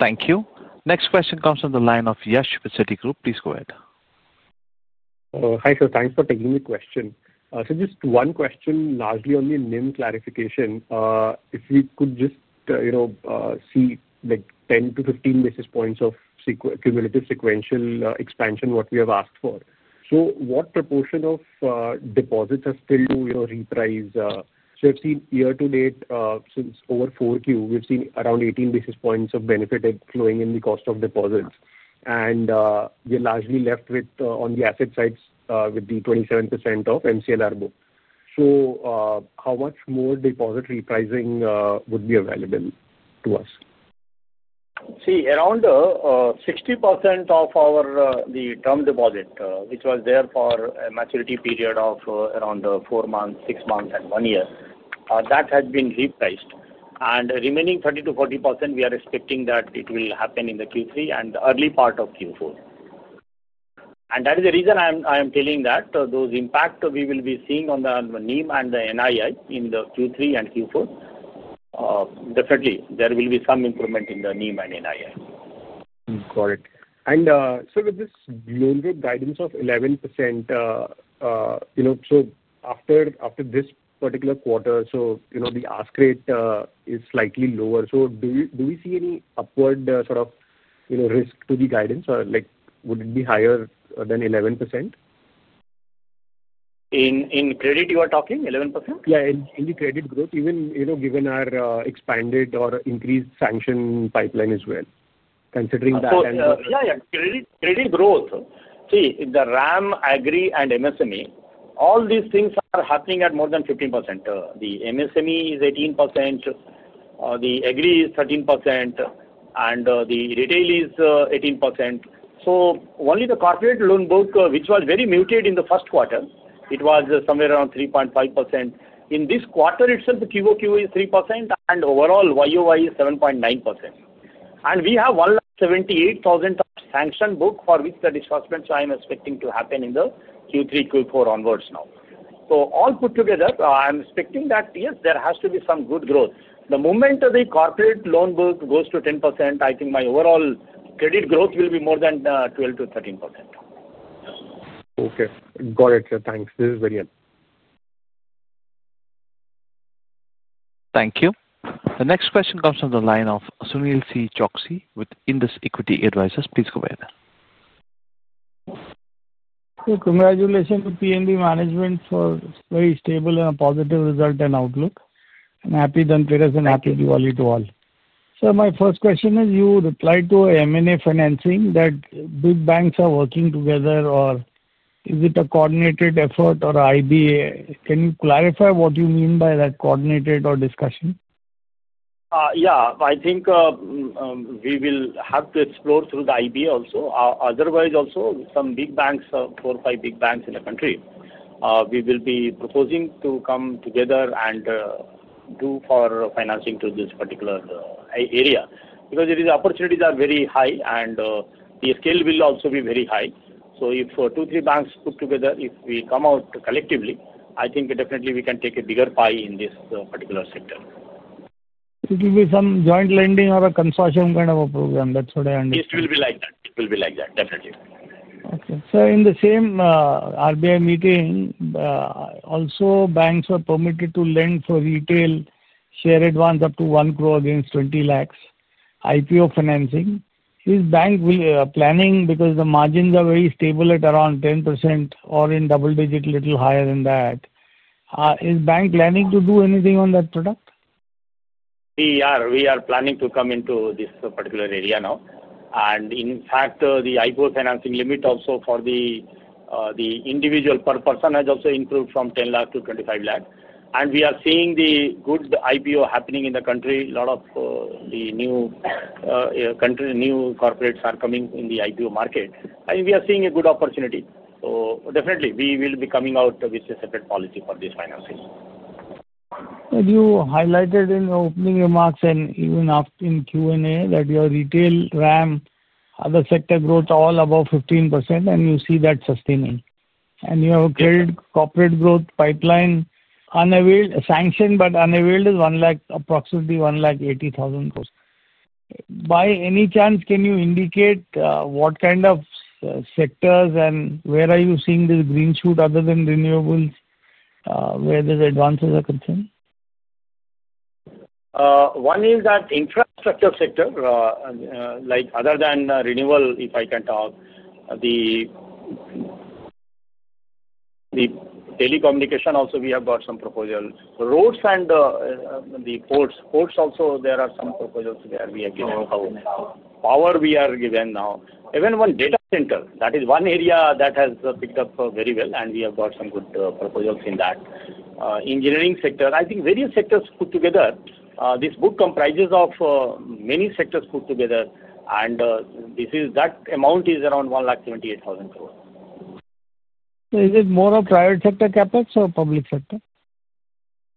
S1: Thank you. Next question comes from the line of [Yash Pacetti Group]. Please go ahead.
S16: Hi, sir. Thanks for taking the question. Just one question, largely only a NIM clarification. If you could just, you know, see like 10 basis points-15 basis points of cumulative sequential expansion, what we have asked for. What proportion of deposits are still repriced? I've seen year to date, since over 4Q, we've seen around 18 basis points of benefit flowing in the cost of deposits. We're largely left with on the asset sides with the 27% of MCLR book. How much more deposit repricing would be available to us?
S4: See, around 60% of our term deposit, which was there for a maturity period of around four months, six months, and one year, that had been repriced. The remaining 30%-40%, we are expecting that it will happen in Q3 and early part of Q4. That is the reason I am telling that those impacts we will be seeing on the NIM and the NII in Q3 and Q4. Definitely, there will be some improvement in the NIM and NII.
S16: Got it. With this lower guidance of 11%, after this particular quarter, the ask rate is slightly lower. Do we see any upward sort of risk to the guidance, or would it be higher than 11%?
S4: In credit, you are talking 11%?
S16: Yeah, in the credit growth, even given our expanded or increased sanction pipeline as well, considering that.
S4: Credit growth, see, in the RAM, agri, and MSME, all these things are happening at more than 15%. The MSME is 18%. The agri is 13%. The retail is 18%. Only the corporate loan book, which was very muted in the first quarter, was somewhere around 3.5%. In this quarter itself, QoQ is 3% and overall YoY is 7.9%. We have 178,000 crore sanction book for which the disbursements I am expecting to happen in Q3, Q4 onwards now. All put together, I'm expecting that, yes, there has to be some good growth. The moment the corporate loan book goes to 10%, I think my overall credit growth will be more than 12%-13%.
S16: Okay. Got it, sir. Thanks. This is Varian.
S1: Thank you. The next question comes from the line of Sushil Choksey with Indus Equity Advisors. Please go ahead.
S17: Congratulations to Punjab National Bank management for a very stable and a positive result and outlook. Happy Dankritas and happy Diwali to all. Sir, my first question is you replied to M&A financing that big banks are working together, or is it a coordinated effort or IBA? Can you clarify what you mean by that coordinated or discussion?
S4: I think we will have to explore through the IBA also. Otherwise, also some big banks, four or five big banks in the country, we will be proposing to come together and do for financing to this particular area because the opportunities are very high and the scale will also be very high. If two or three banks put together, if we come out collectively, I think definitely we can take a bigger pie in this particular sector.
S17: It will be some joint lending or a consortium kind of a program. That's what I understand.
S4: It will be like that, definitely.
S17: In the same RBI meeting, also banks were permitted to lend for retail share advance up to 1 crore against 20 lakh IPO financing. Is bank planning because the margins are very stable at around 10% or in double digit, a little higher than that? Is bank planning to do anything on that product?
S4: We are planning to come into this particular area now. In fact, the IPO financing limit also for the individual per person has also improved from 10 lakh to 25 lakh. We are seeing the good IPO happening in the country. A lot of the new corporates are coming in the IPO market. I mean, we are seeing a good opportunity. We will be coming out with a separate policy for this financing.
S17: You highlighted in your opening remarks and even after in Q&A that your retail, RAM, other sector growth all above 15%, and you see that sustaining. Your credit corporate growth pipeline sanctioned but unavailed is approximately 1,80,000 crore. By any chance, can you indicate what kind of sectors and where are you seeing this green shoot other than renewables, where these advances are concerned?
S4: One is that infrastructure sector, like other than renewable, if I can talk, the telecommunication also, we have got some proposals. Roads and the ports, ports also, there are some proposals there. We are given how power we are given now. Even one data center, that is one area that has picked up very well, and we have got some good proposals in that. Engineering sector, I think various sectors put together, this book comprises of many sectors put together. This amount is around 1,28,000 crore.
S17: Is it more of private sector capex or public sector?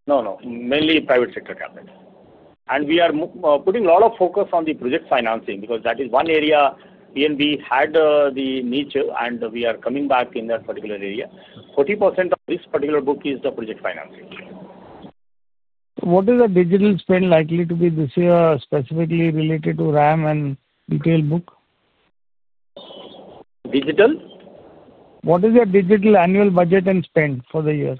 S4: No, no. Mainly private sector CapEx. We are putting a lot of focus on the project financing because that is one area PNB had the niche, and we are coming back in that particular area. 40% of this particular book is the project financing.
S17: What is the digital spend likely to be this year, specifically related to RAM and retail book?
S4: Digital?
S17: What is your digital annual budget and spend for the year?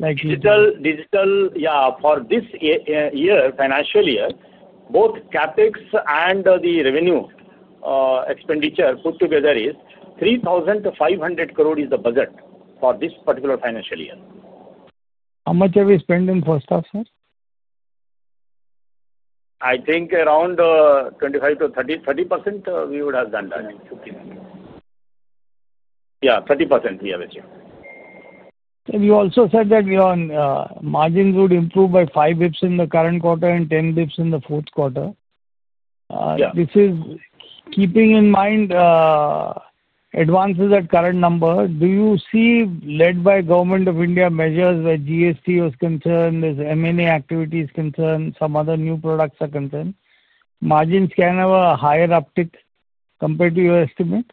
S4: Digital, digital, yeah. For this year, financial year, both CapEx and the revenue expenditure put together is 3,500 crore, is the budget for this particular financial year.
S17: How much have we spent in first half, sir?
S4: I think around 25%-30% we would have done that. Yeah, 30% we have achieved.
S17: You also said that your margins would improve by 5 bps in the current quarter and 10 bps in the fourth quarter. This is keeping in mind advances at current number. Do you see, led by Government of India measures where GST was concerned, this M&A activity is concerned, some other new products are concerned, margins can have a higher uptick compared to your estimate?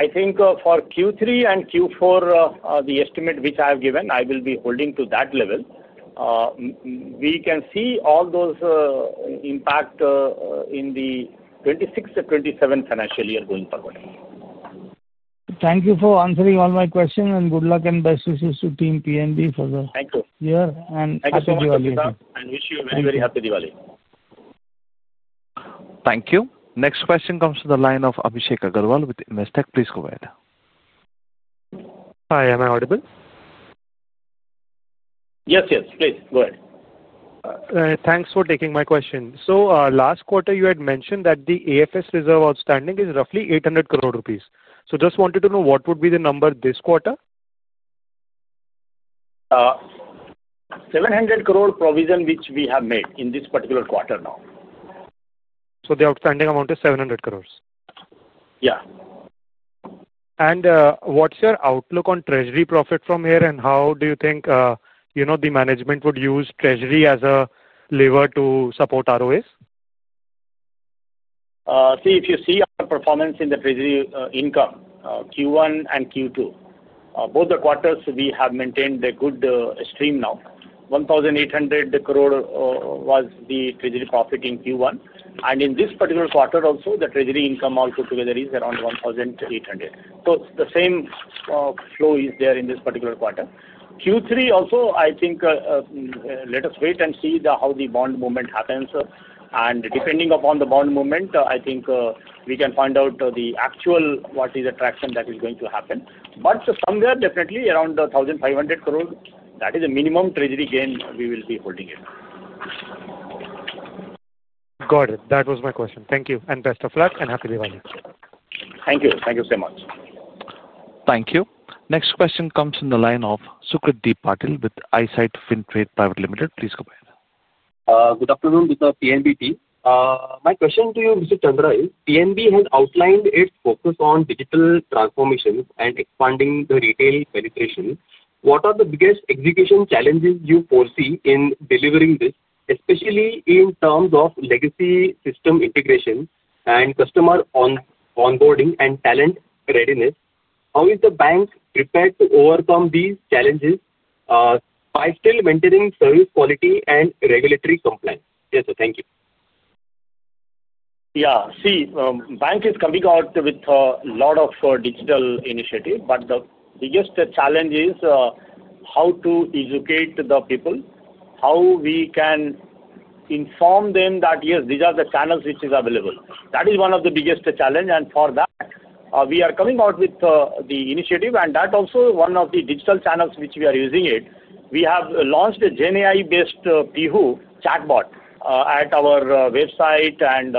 S4: I think for Q3 and Q4, the estimate which I have given, I will be holding to that level. We can see all those impact in the 2026-2027 financial year going forward.
S17: Thank you for answering all my questions, and good luck and best wishes to Team PNB.
S4: Thank you.
S17: Happy Diwali.
S4: Thank you, sir. Wish you a very, very happy Diwali.
S1: Thank you. Next question comes from the line of Abhishek Agarwal with Investec. Please go ahead.
S18: Hi, am I audible?
S4: Yes, yes. Please go ahead.
S18: Thanks for taking my question. Last quarter, you had mentioned that the AFS reserve outstanding is roughly 800 crore rupees. I just wanted to know what would be the number this quarter?
S4: 700 crore provision, which we have made in this particular quarter now.
S18: The outstanding amount is 700 crore?
S4: Yeah.
S18: What is your outlook on treasury profit from here? How do you think the management would use treasury as a lever to support ROAs?
S4: See, if you see our performance in the treasury income, Q1 and Q2, both the quarters we have maintained a good stream now. 1,800 crore was the treasury profit in Q1, and in this particular quarter also, the treasury income all put together is around 1,800 crore. The same flow is there in this particular quarter. Q3 also, I think let us wait and see how the bond movement happens. Depending upon the bond movement, I think we can find out the actual what is the traction that is going to happen. Somewhere definitely around 1,500 crore, that is a minimum treasury gain we will be holding in.
S7: Got it. That was my question. Thank you, and best of luck and happy Diwali.
S4: Thank you. Thank you so much.
S1: Thank you. Next question comes from the line of Sucrit Patil with Eyesight Fintrade Pvt Ltd. Please go ahead.
S19: Good afternoon to the PNB team. My question to you, Mr. Chandra, is PNB has outlined its focus on digital transformations and expanding the retail penetration. What are the biggest execution challenges you foresee in delivering this, especially in terms of legacy system integration and customer onboarding and talent readiness? How is the bank prepared to overcome these challenges by still maintaining service quality and regulatory compliance? Yes, sir. Thank you.
S4: Yeah. See, the bank is coming out with a lot of digital initiatives, but the biggest challenge is how to educate the people, how we can inform them that, yes, these are the channels which are available. That is one of the biggest challenges. For that, we are coming out with the initiative. That's also one of the digital channels which we are using. We have launched a GenAI-based PIHU chatbot at our website and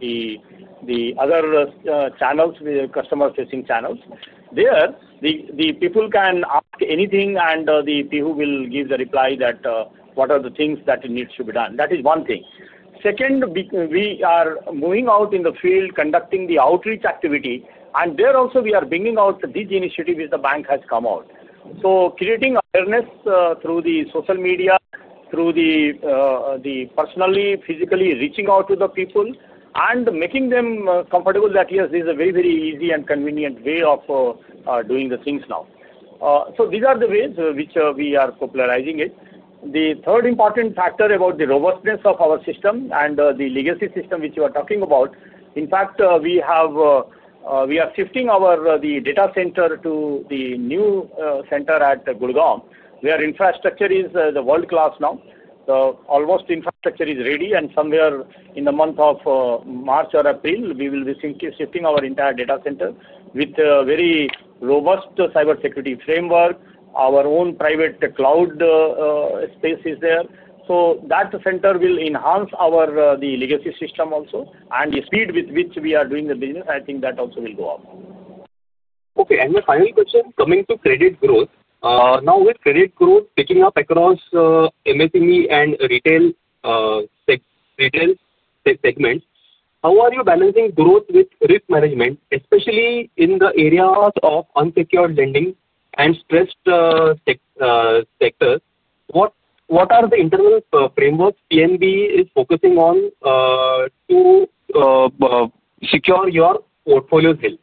S4: the other channels, the customer-facing channels. There, the people can ask anything, and the PIHU will give the reply that what are the things that need to be done. That is one thing. Second, we are moving out in the field, conducting the outreach activity. There also, we are bringing out this initiative which the bank has come out. Creating awareness through the social media, through personally, physically reaching out to the people, and making them comfortable that, yes, this is a very, very easy and convenient way of doing the things now. These are the ways which we are popularizing it. The third important factor about the robustness of our system and the legacy system which you are talking about, in fact, we are shifting the data center to the new center at Gulgam, where infrastructure is world-class now. Almost infrastructure is ready. Somewhere in the month of March or April, we will be shifting our entire data center with a very robust cybersecurity framework. Our own private cloud space is there. That center will enhance the legacy system also. The speed with which we are doing the business, I think that also will go up.
S19: Okay. The final question, coming to credit growth. Now, with credit growth picking up across MSME and retail segments, how are you balancing growth with risk management, especially in the areas of unsecured lending and stressed sectors? What are the internal frameworks PNB is focusing on to secure your portfolio's health?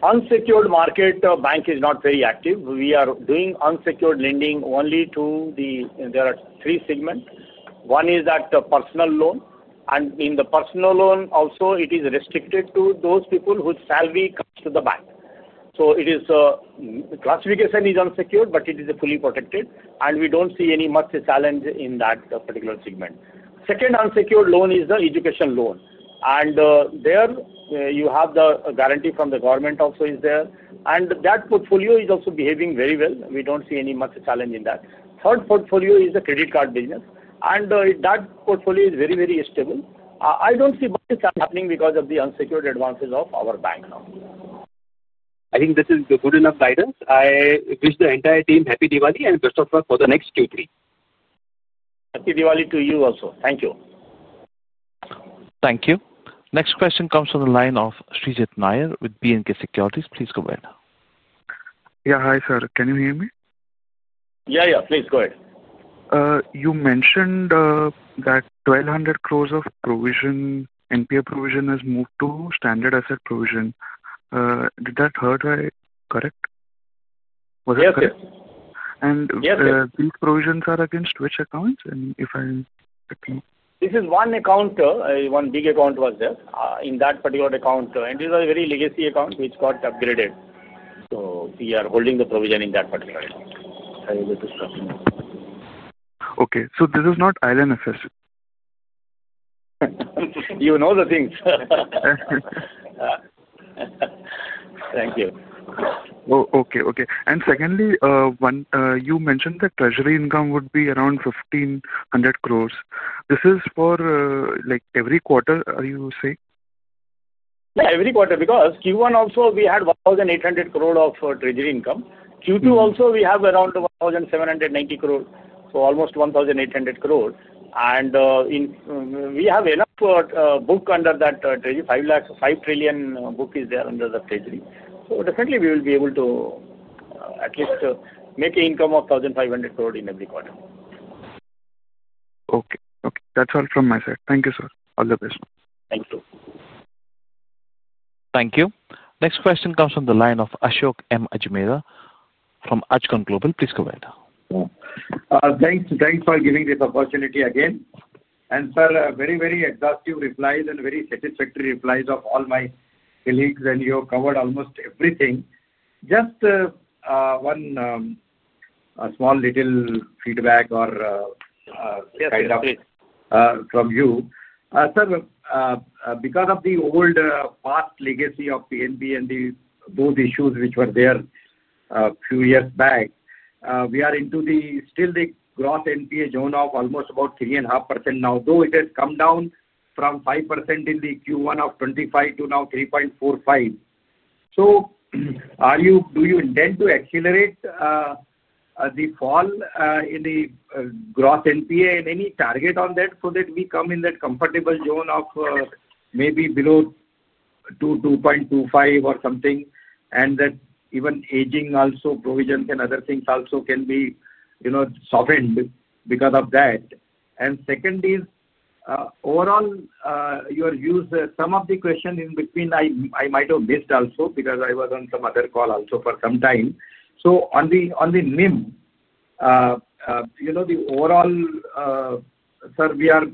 S4: Unsecured market bank is not very active. We are doing unsecured lending only to the, there are three segments. One is that the personal loan. In the personal loan also, it is restricted to those people whose salary comes to the bank. The classification is unsecured, but it is fully protected. We don't see any much challenge in that particular segment. Second unsecured loan is the education loan. There, you have the guarantee from the government also is there. That portfolio is also behaving very well. We don't see any much challenge in that. Third portfolio is the credit card business. That portfolio is very, very stable. I don't see much challenge happening because of the unsecured advances of our bank now.
S19: I think this is good enough guidance. I wish the entire team happy Diwali and best of luck for the next Q3.
S4: Happy Diwali to you also. Thank you.
S1: Thank you. Next question comes from the line of Shreejit Nair with B&K Securities. Please go ahead.
S20: Yeah. Hi, sir. Can you hear me?
S4: Yeah, yeah. Please go ahead.
S20: You mentioned that 1,200 crore of NPA provision has moved to standard asset provision. Did that hurt? I correct?
S4: Yes, yes.
S20: These provisions are against which accounts? If I can.
S4: This is one account. One big account was there in that particular account. It was a very legacy account which got upgraded. We are holding the provision in that particular account.
S20: Okay. This is not ILMFS.
S4: You know the things. Thank you.
S20: Okay. Okay. Secondly, you mentioned that treasury income would be around 1,500 crore. This is for every quarter, are you saying?
S4: Yeah, every quarter because Q1 also we had 1,800 crore of treasury income. Q2 also we have around 1,790 crore, so almost 1,800 crore. We have enough book under that treasury. 5 trillion book is there under the treasury. We will be able to at least make an income of INR 1,500 crore in every quarter.
S20: Okay. That's all from my side. Thank you, sir. All the best.
S4: Thank you.
S1: Thank you. Next question comes from the line of Ashok M. Ajmera from Ajcon Global. Please go ahead.
S5: Thanks for giving this opportunity again. Sir, very, very exhaustive replies and very satisfactory replies of all my colleagues, and you have covered almost everything. Just one small little feedback.
S19: Yes, please.
S5: From you. Sir, because of the old past legacy of Punjab National Bank and the both issues which were there a few years back, we are into the still the gross NPA zone of almost about 3.5% now, though it has come down from 5% in Q1 2025 to now 3.45%. Do you intend to accelerate the fall in the gross NPA and any target on that so that we come in that comfortable zone of maybe below 2.25% or something? That even aging also provisions and other things also can be, you know, sovereign because of that. Second is overall your use. Some of the questions in between I might have missed also because I was on some other call also for some time. On the NIM, you know, the overall, sir, we are,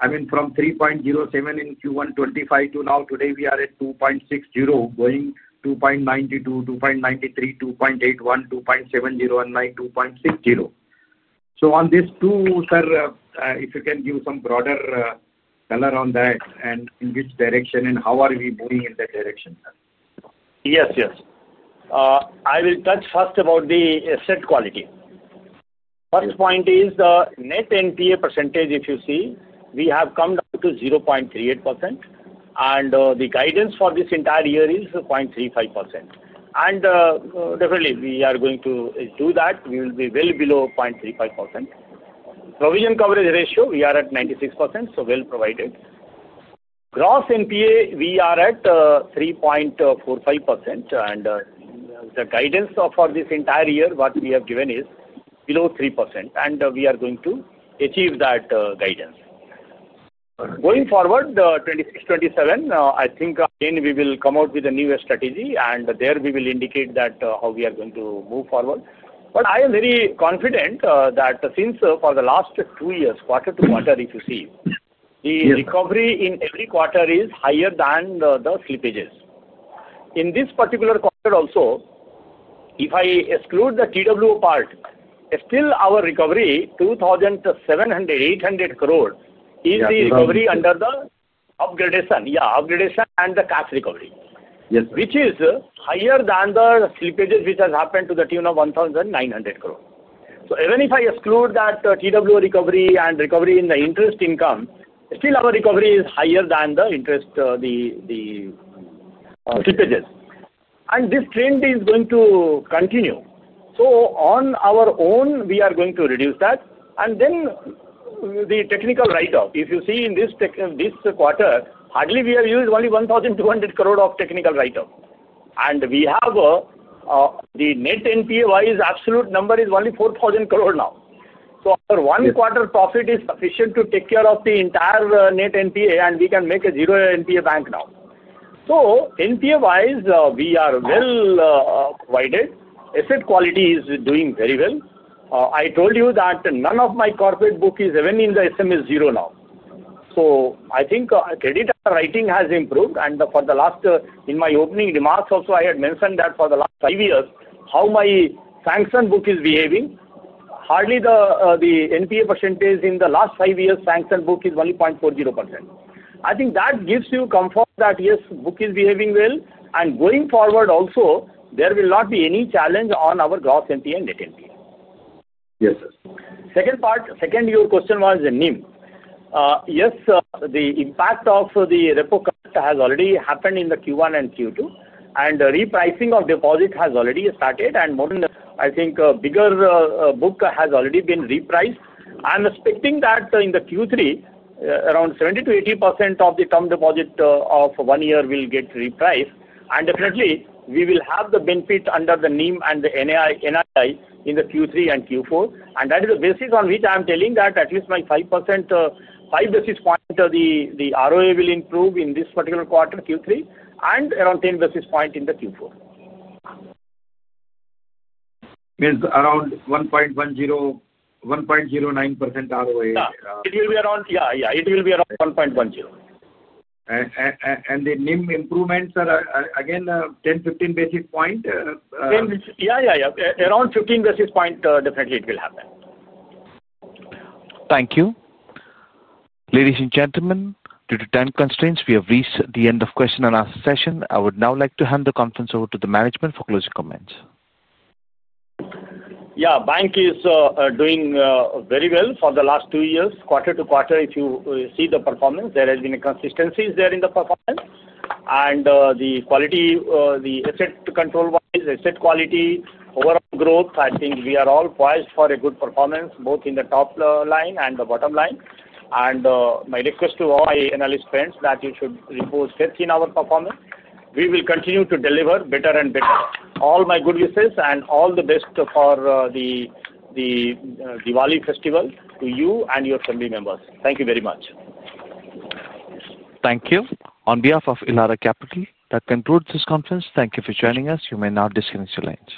S5: I mean, from 3.07% in Q1 2025 to now today, we are at 2.60% going 2.92%, 2.93%, 2.81%, 2.70% and 2.60%. On these two, sir, if you can give some broader color on that and in which direction and how are we moving in that direction, sir.
S4: Yes, yes. I will touch first about the asset quality. First point is the net NPA percentage. If you see, we have come down to 0.38%. The guidance for this entire year is 0.35%. Definitely, we are going to do that. We will be well below 0.35%. Provision coverage ratio, we are at 96%. So well provided. Gross NPA, we are at 3.45%. The guidance for this entire year, what we have given is below 3%. We are going to achieve that guidance. Going forward, in 2026-2027, I think again we will come out with a new strategy. There, we will indicate how we are going to move forward. I am very confident that since for the last two years, quarter to quarter, if you see, the recovery in every quarter is higher than the slippages. In this particular quarter also, if I exclude the TWO part, still our recovery 2,700-800 crore is the recovery under the upgradation. Upgradation and the cash recovery, yes, which is higher than the slippages which has happened to the tune of 1,900 crore. Even if I exclude that TWO recovery and recovery in the interest income, still our recovery is higher than the slippages. This trend is going to continue. On our own, we are going to reduce that. The technical write-up, if you see in this quarter, hardly we have used only 1,200 crore of technical write-up. We have the net NPA-wise absolute number is only 4,400 crore. Our one-quarter profit is sufficient to take care of the entire net NPA, and we can make a zero NPA bank now. NPA-wise, we are well provided. Asset quality is doing very well. I told you that none of my corporate book is even in the SMS zero now. I think credit writing has improved. In my opening remarks also, I had mentioned that for the last five years, how my sanctioned book is behaving. Hardly the NPA percentage in the last five years' sanctioned book is only 0.40%. I think that gives you comfort that, yes, the book is behaving well. Going forward also, there will not be any challenge on our gross NPA and net NPA.
S5: Yes, sir.
S4: Second part, your question was NIM. Yes, the impact of the repo cut has already happened in Q1 and Q2. The repricing of deposit has already started, and more than, I think, a bigger book has already been repriced. I'm expecting that in Q3, around 70%-80% of the term deposit of one year will get repriced. We will definitely have the benefit under the NIM and the NII in Q3 and Q4. That is the basis on which I'm telling that at least by 5 basis points, the ROA will improve in this particular quarter, Q3, and around 10 basis points in Q4.
S5: It's around 1.10%, 1.09% ROA.
S4: Yeah, it will be around 1.10.
S5: The NIM improvements are, again, 10 basis points-15 basis points?
S4: Yeah, around 15 basis points, definitely it will happen.
S1: Thank you. Ladies and gentlemen, due to time constraints, we have reached the end of the question-and-answer session. I would now like to hand the conference over to the management for closing comments.
S4: Yeah, bank is doing very well for the last two years. Quarter-to-quarter, if you see the performance, there has been a consistency in the performance. The quality, the asset control-wise, asset quality, overall growth, I think we are all poised for a good performance, both in the top line and the bottom line. My request to all my analyst friends is that you should repose faith in our performance. We will continue to deliver better and better. All my good wishes and all the best for the Diwali festival to you and your family members. Thank you very much.
S1: Thank you. On behalf of Elara Capital, that concludes this conference. Thank you for joining us. You may now disconnect your lines.